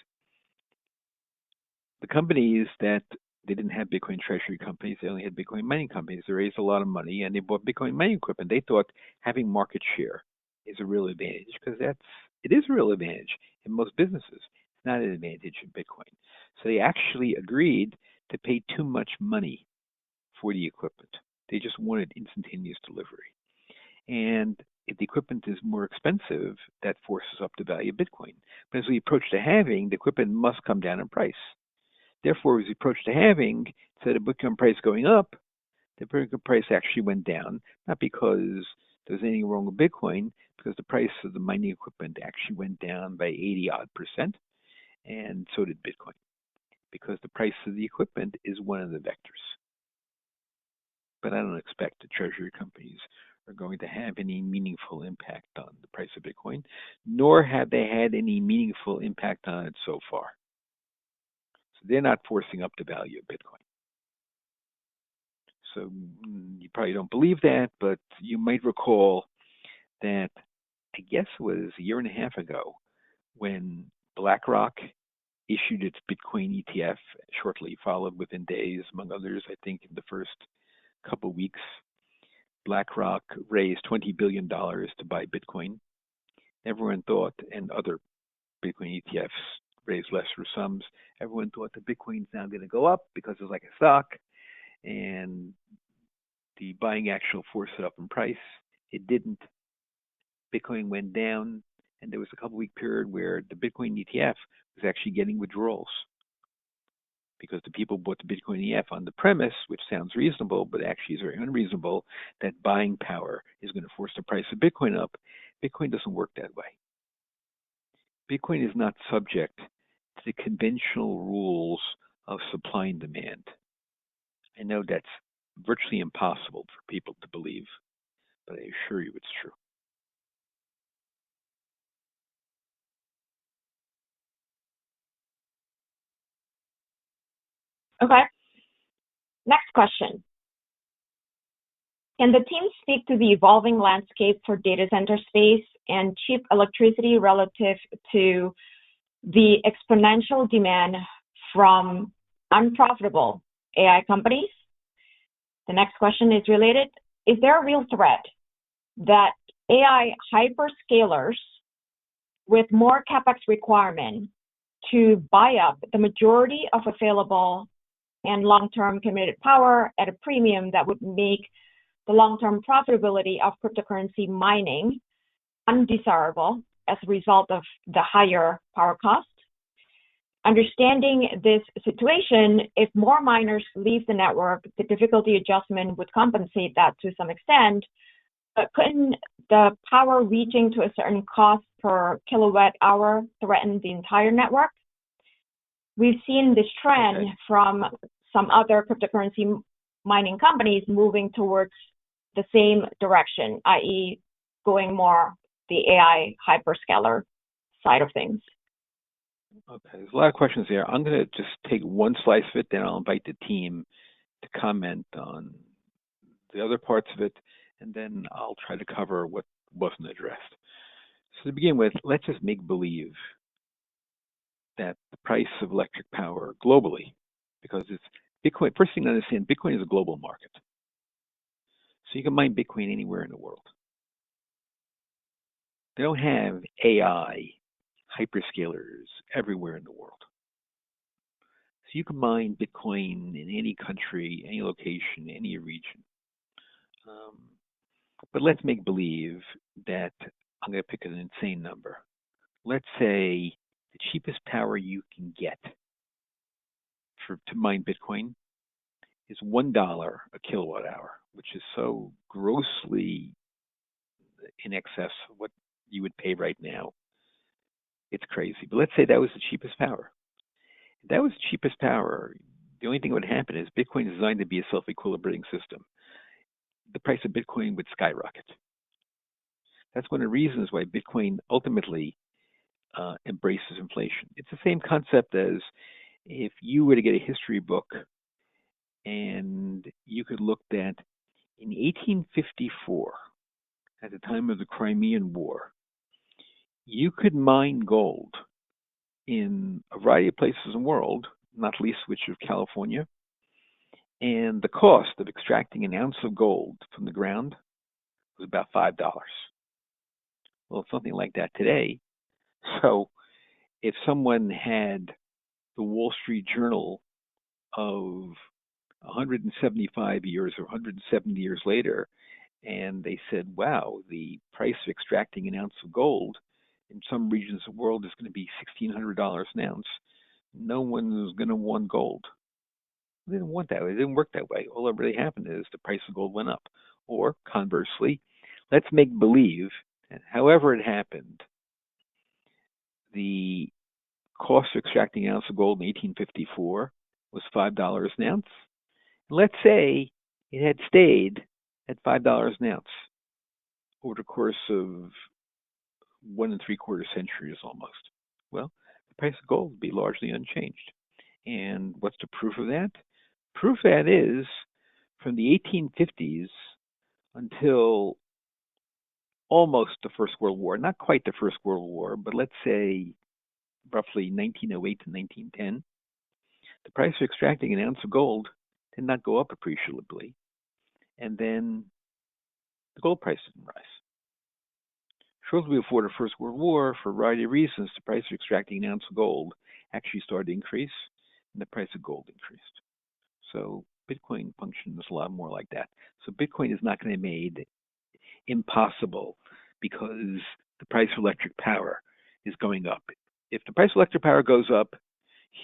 the companies that they didn't have Bitcoin treasury companies. They only had Bitcoin mining companies. They raised a lot of money, and they bought Bitcoin mining equipment. They thought having market share is a real advantage because it is a real advantage in most businesses, not an advantage in Bitcoin. They actually agreed to pay too much money for the equipment. They just wanted instantaneous delivery. If the equipment is more expensive, that forces up the value of Bitcoin. As we approach the halving, the equipment must come down in price. Therefore, as we approach the halving, instead of Bitcoin price going up, the price actually went down. Not because there's anything wrong with Bitcoin, because the price of the mining equipment actually went down by 80% odd. So did Bitcoin, because the price of the equipment is one of the vectors. I don't expect the treasury companies are going to have any meaningful impact on the price of Bitcoin, nor have they had any meaningful impact on it so far. They're not forcing up the value of Bitcoin. You probably don't believe that, but you might recall that I guess it was a year and a half ago when BlackRock issued its Bitcoin ETF, shortly followed within days, among others. I think in the first couple of weeks, BlackRock raised $20 billion to buy Bitcoin. Everyone thought, and other Bitcoin ETFs raised lesser sums. Everyone thought the Bitcoin is now going to go up because it was like a stock. The buying actual forced it up in price. It didn't. Bitcoin went down. There was a couple of week period where the Bitcoin ETF was actually getting withdrawals because the people bought the Bitcoin ETF on the premise, which sounds reasonable, but actually is very unreasonable, that buying power is going to force the price of Bitcoin up. Bitcoin doesn't work that way. Bitcoin is not subject to the conventional rules of supply and demand. I know that's virtually impossible for people to believe, but I assure you it's true. Okay. Next question. Can the team speak to the evolving landscape for data center space and cheap electricity relative to the exponential demand from unprofitable AI companies? The next question is related. Is there a real threat that AI hyperscalers with more CapEx requirement to buy up the majority of available and long-term committed power at a premium that would make the long-term profitability of cryptocurrency mining undesirable as a result of the higher power cost? Understanding this situation, if more miners leave the network, the difficulty adjustment would compensate that to some extent. Couldn't the power reaching to a certain cost per kilowatt hour threaten the entire network? We've seen this trend from some other cryptocurrency mining companies moving towards the same direction, i.e., going more the AI hyperscaler side of things. Okay. There are a lot of questions here. I am going to just take one slice of it, then I will invite the team to comment on the other parts of it, and then I will try to cover what was not addressed. To begin with, let us just make believe that the price of electric power globally, because it is Bitcoin. First thing to understand, Bitcoin is a global market. You can mine Bitcoin anywhere in the world. They do not have AI data centers everywhere in the world. You can mine Bitcoin in any country, any location, any region. Let us make believe that I am going to pick an insane number. Let us say the cheapest power you can get to mine Bitcoin is $1 a kilowatt hour, which is so grossly in excess of what you would pay right now. It is crazy. Let us say that was the cheapest power. The only thing that would happen is Bitcoin is designed to be a self-equilibrating system. The price of Bitcoin would skyrocket. That is one of the reasons why Bitcoin ultimately embraces inflation. It is the same concept as if you were to get a history book and you could look at in 1854, at the time of the Crimean War, you could mine gold in a variety of places in the world, not least of which California. The cost of extracting an ounce of gold from the ground was about $5. It is nothing like that today. If someone had The Wall Street Journal 170 years later and they said, "Wow, the price of extracting an ounce of gold in some regions of the world is going to be $1,600 an ounce," no one was going to want gold. They did not want that. It did not work that way. All that really happened is the price of gold went up. Conversely, let us make believe that however it happened, the cost of extracting an ounce of gold in 1854 was $5 an ounce. Let us say it had stayed at $5 an ounce over the course of one and three-quarter centuries almost. The price of gold would be largely unchanged. What is the proof of that? Proof of that is from the 1850s until almost the First World War, not quite the First World War, but let us say roughly 1908-1910, the price of extracting an ounce of gold did not go up appreciably, and the gold price did not rise. Shortly before the First World War, for a variety of reasons, the price of extracting an ounce of gold actually started to increase, and the price of gold increased. Bitcoin functioned a lot more like that. Bitcoin is not going to be made impossible because the price of electric power is going up. If the price of electric power goes up,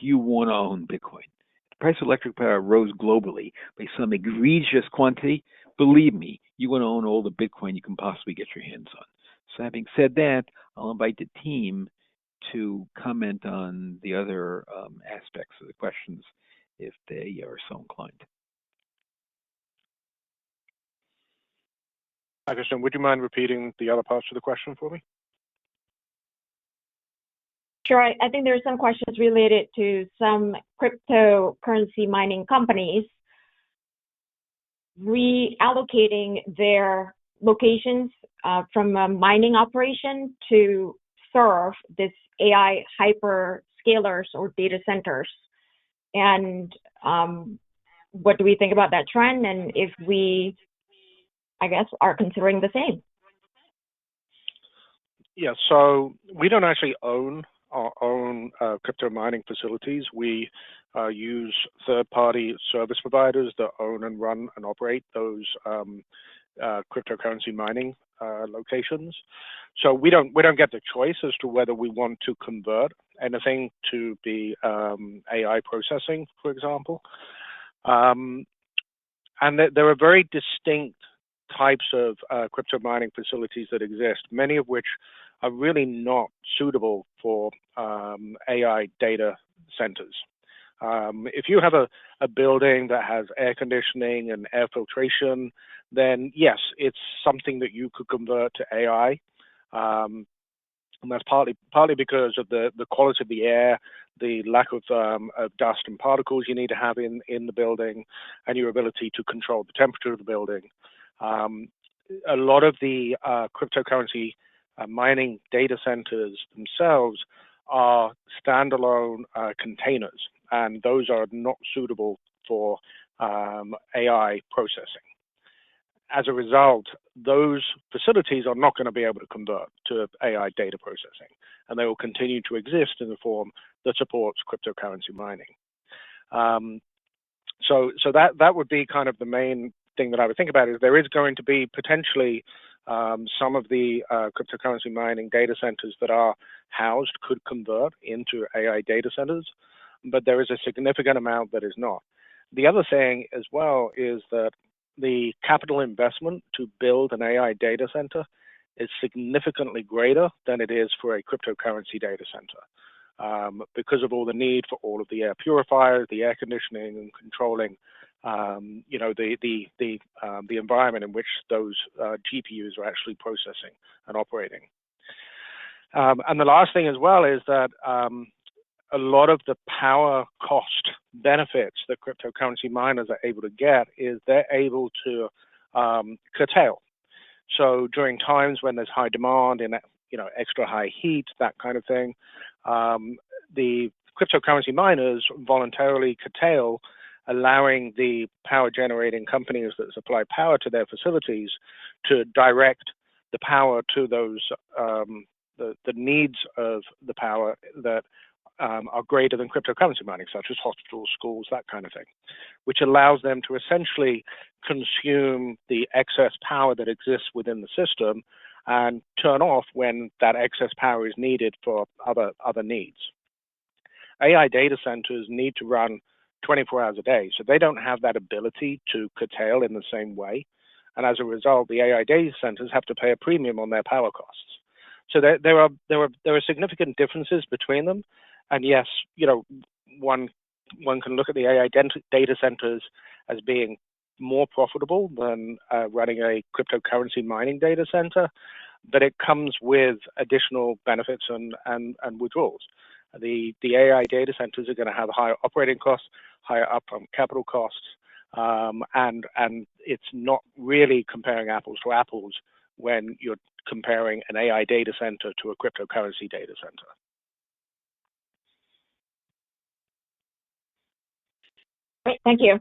you won't own Bitcoin. The price of electric power rose globally by some egregious quantity. Believe me, you want to own all the Bitcoin you can possibly get your hands on. Having said that, I'll invite the team to comment on the other aspects of the questions if they are so inclined. I guess, Tim, would you mind repeating the other parts of the question for me? Sure. I think there are some questions related to some cryptocurrency mining companies reallocating their locations from a mining operation to serve these AI hyperscalers or data centers. What do we think about that trend? If we, I guess, are considering the same? Yeah. We don't actually own our own crypto mining facilities. We use third-party service providers that own, run, and operate those cryptocurrency mining locations. We don't get the choice as to whether we want to convert anything to be AI processing, for example. There are very distinct types of crypto mining facilities that exist, many of which are really not suitable for AI data centers. If you have a building that has air conditioning and air filtration, then yes, it's something that you could convert to AI. That's partly because of the quality of the air, the lack of dust and particles you need to have in the building, and your ability to control the temperature of the building. A lot of the cryptocurrency mining data centers themselves are standalone containers, and those are not suitable for AI processing. As a result, those facilities are not going to be able to convert to AI data processing. They will continue to exist in the form that supports cryptocurrency mining. That would be kind of the main thing that I would think about. There is going to be potentially some of the cryptocurrency mining data centers that are housed could convert into AI data centers, but there is a significant amount that is not. The other thing as well is that the capital investment to build an AI data center is significantly greater than it is for a cryptocurrency data center because of all the need for all of the air purifiers, the air conditioning, and controlling the environment in which those GPUs are actually processing and operating. The last thing as well is that a lot of the power cost benefits that cryptocurrency miners are able to get is they're able to curtail. During times when there's high demand and extra high heat, that kind of thing, the cryptocurrency miners voluntarily curtail, allowing the power-generating companies that supply power to their facilities to direct the power to the needs of the power that are greater than cryptocurrency mining, such as hospitals, schools, that kind of thing, which allows them to essentially consume the excess power that exists within the system and turn off when that excess power is needed for other needs. AI data centers need to run 24 hours a day. They don't have that ability to curtail in the same way. As a result, the AI data centers have to pay a premium on their power costs. There are significant differences between them. Yes, one can look at the AI data centers as being more profitable than running a cryptocurrency mining data center, but it comes with additional benefits and withdrawals. The AI data centers are going to have higher operating costs, higher upfront capital costs, and it's not really comparing apples for apples when you're comparing an AI data center to a cryptocurrency data center. Great. Thank you.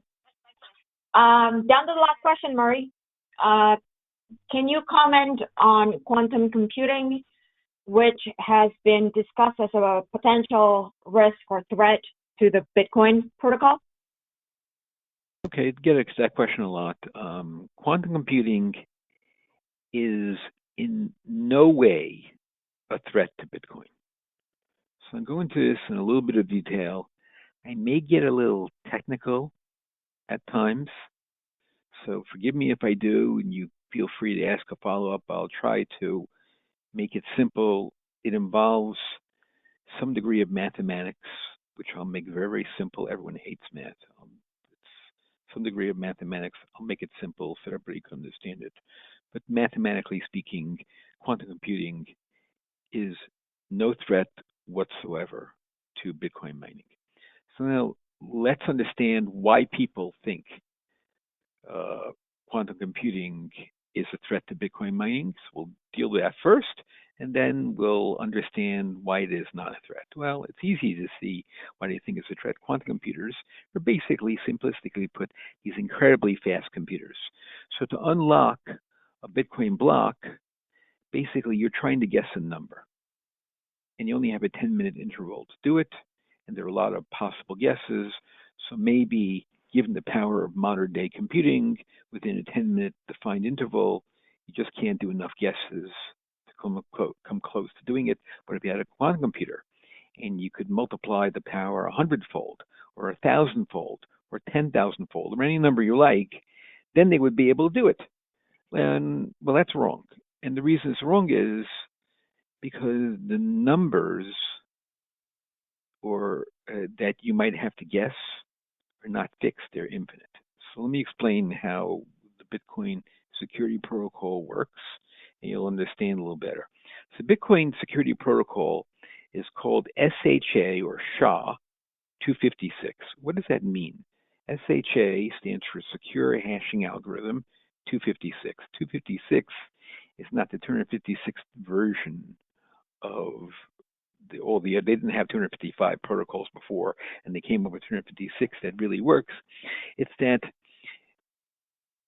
Down to the last question, Murray. Can you comment on quantum computing, which has been discussed as a potential risk or threat to the Bitcoin protocol? Okay. I get that question a lot. Quantum computing is in no way a threat to Bitcoin. I'm going to go into this in a little bit of detail. I may get a little technical at times. Forgive me if I do, and you feel free to ask a follow-up. I'll try to make it simple. It involves some degree of mathematics, which I'll make very, very simple. Everyone hates math. It's some degree of mathematics. I'll make it simple so that everybody can understand it. Mathematically speaking, quantum computing is no threat whatsoever to Bitcoin mining. Now let's understand why people think quantum computing is a threat to Bitcoin mining. We'll deal with that first, and then we'll understand why it is not a threat. It's easy to see why they think it's a threat. Quantum computers are basically, simplistically put, these incredibly fast computers. To unlock a Bitcoin block, basically, you're trying to guess a number. You only have a 10-minute interval to do it, and there are a lot of possible guesses. Maybe given the power of modern-day computing, within a 10-minute defined interval, you just can't do enough guesses to come close to doing it. If you had a quantum computer and you could multiply the power 100-fold or 1,000-fold or 10,000-fold or any number you like, then they would be able to do it. That's wrong. The reason it's wrong is because the numbers that you might have to guess are not fixed. They're infinite. Let me explain how the Bitcoin security protocol works, and you'll understand a little better. The Bitcoin security protocol is called SHA or SHA-256. What does that mean? SHA stands for Secure Hashing Algorithm 256. 256 is not the 256th version of all the other. They didn't have 255 protocols before, and they came up with 256 that really works. It's that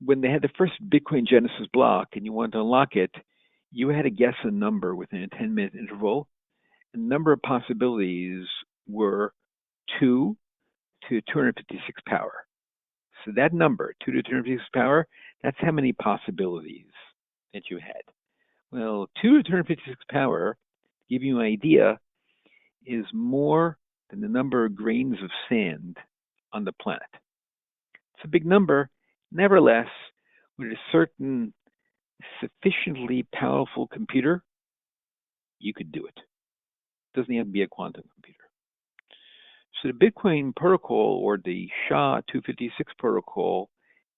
when they had the first Bitcoin Genesis block and you wanted to unlock it, you had to guess a number within a 10-minute interval. The number of possibilities were 2 to the 256th power. That number, 2 to the 256th power, that's how many possibilities that you had. 2 to the 256th power, giving you an idea, is more than the number of grains of sand on the planet. It's a big number. Nevertheless, with a certain sufficiently powerful computer, you could do it. It doesn't have to be a quantum computer. The Bitcoin protocol, or the SHA-256 protocol,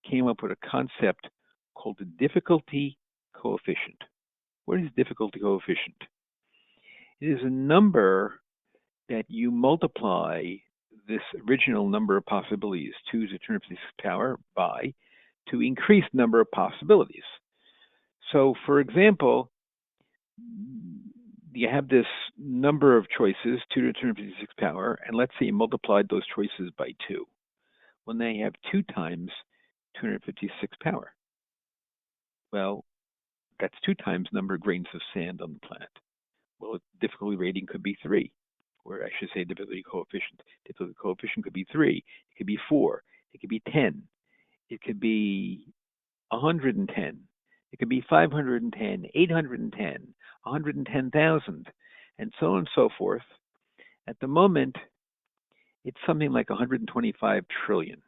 came up with a concept called the difficulty coefficient. What is the difficulty coefficient? It is a number that you multiply this original number of possibilities, 2 to the 256th power, by to increase the number of possibilities. For example, you have this number of choices, 2 to the 256th power, and let's say you multiplied those choices by 2. Now you have 2 times 256th power. That's 2 times the number of grains of sand on the planet. The difficulty rating could be three. I should say the difficulty coefficient. The difficulty coefficient could be three it could be four, it could be 10, it could be 110, it could be 510, 810, 110,000, and so on and so forth. At the moment, it's something like 125 trillion.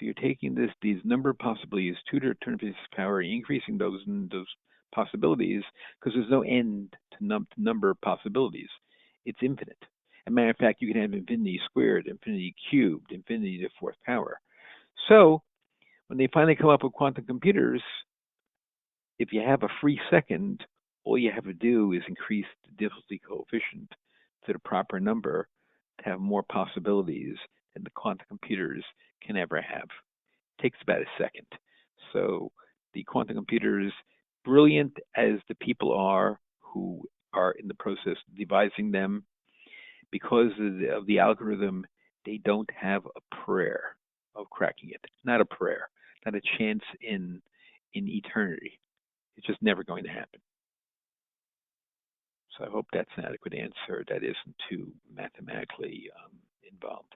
You're taking these number of possibilities, 2 to the 256th power, and increasing those possibilities because there's no end to number of possibilities. It's infinite. As a matter of fact, you can have infinity squared, infinity cubed, infinity to the fourth power. When they finally come up with quantum computers, if you have a free second, all you have to do is increase the difficulty coefficient to the proper number to have more possibilities than the quantum computers can ever have. It takes about a second. The quantum computers, brilliant as the people are who are in the process of devising them, because of the algorithm, they don't have a prayer of cracking it. Not a prayer. Not a chance in eternity. It's just never going to happen. I hope that's an adequate answer that isn't too mathematically involved.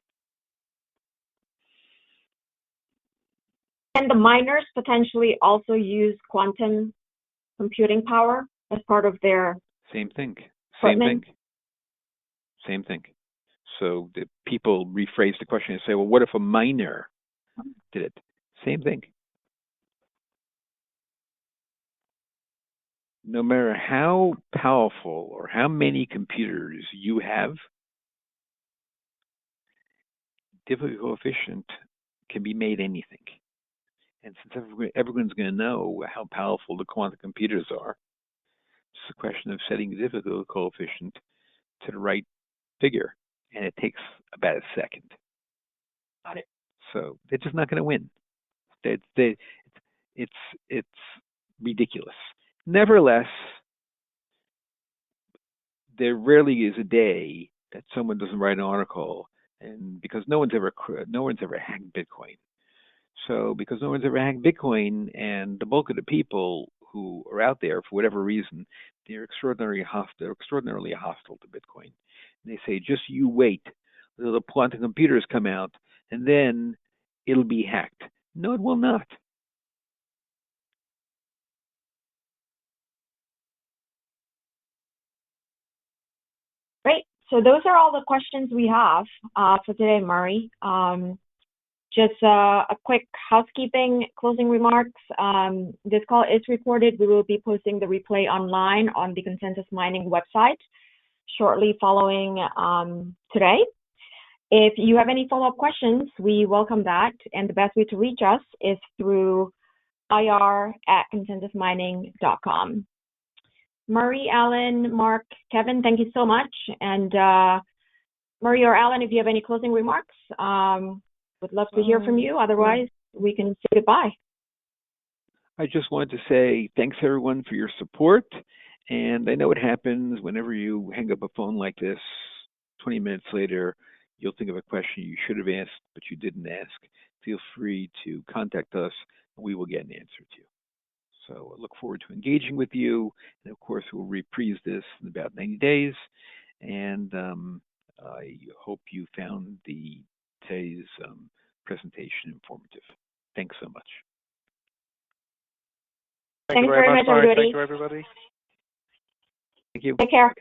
Can the miners potentially also use quantum computing power as part of their? Same thing. Same thing. Same thing. People rephrase the question and say, "What if a miner did it?" Same thing. No matter how powerful or how many computers you have, the difficulty coefficient can be made anything. Since everyone's going to know how powerful the quantum computers are, it's just a question of setting the difficulty coefficient to the right figure. It takes about a second. Got it. They're just not going to win. It's ridiculous. Nevertheless, there rarely is a day that someone doesn't write an article because no one's ever hacked Bitcoin. Because no one's ever hacked Bitcoin, and the bulk of the people who are out there, for whatever reason, they're extraordinarily hostile to Bitcoin. They say, "Just you wait until the quantum computers come out, and then it'll be hacked." No, it will not. Great. Those are all the questions we have for today, Murray. Just a quick housekeeping closing remarks. This call is recorded. We will be posting the replay online on the Consensus Mining website shortly following today. If you have any follow-up questions, we welcome that. The best way to reach us is through ir@consensusmining.com. Murray, Alun, Mark, Kevin, thank you so much. Murray or Alun, if you have any closing remarks, we'd love to hear from you. Otherwise, we can say goodbye. I just wanted to say thanks, everyone, for your support. I know it happens. Whenever you hang up a phone like this, 20 minutes later, you'll think of a question you should have asked, but you didn't ask. Feel free to contact us, and we will get an answer to you. I look forward to engaging with you. Of course, we'll reprise this in about 90 days. I hope you found today's presentation informative. Thanks so much. Thanks very much, everybody. Thank you. Thank you. Take care.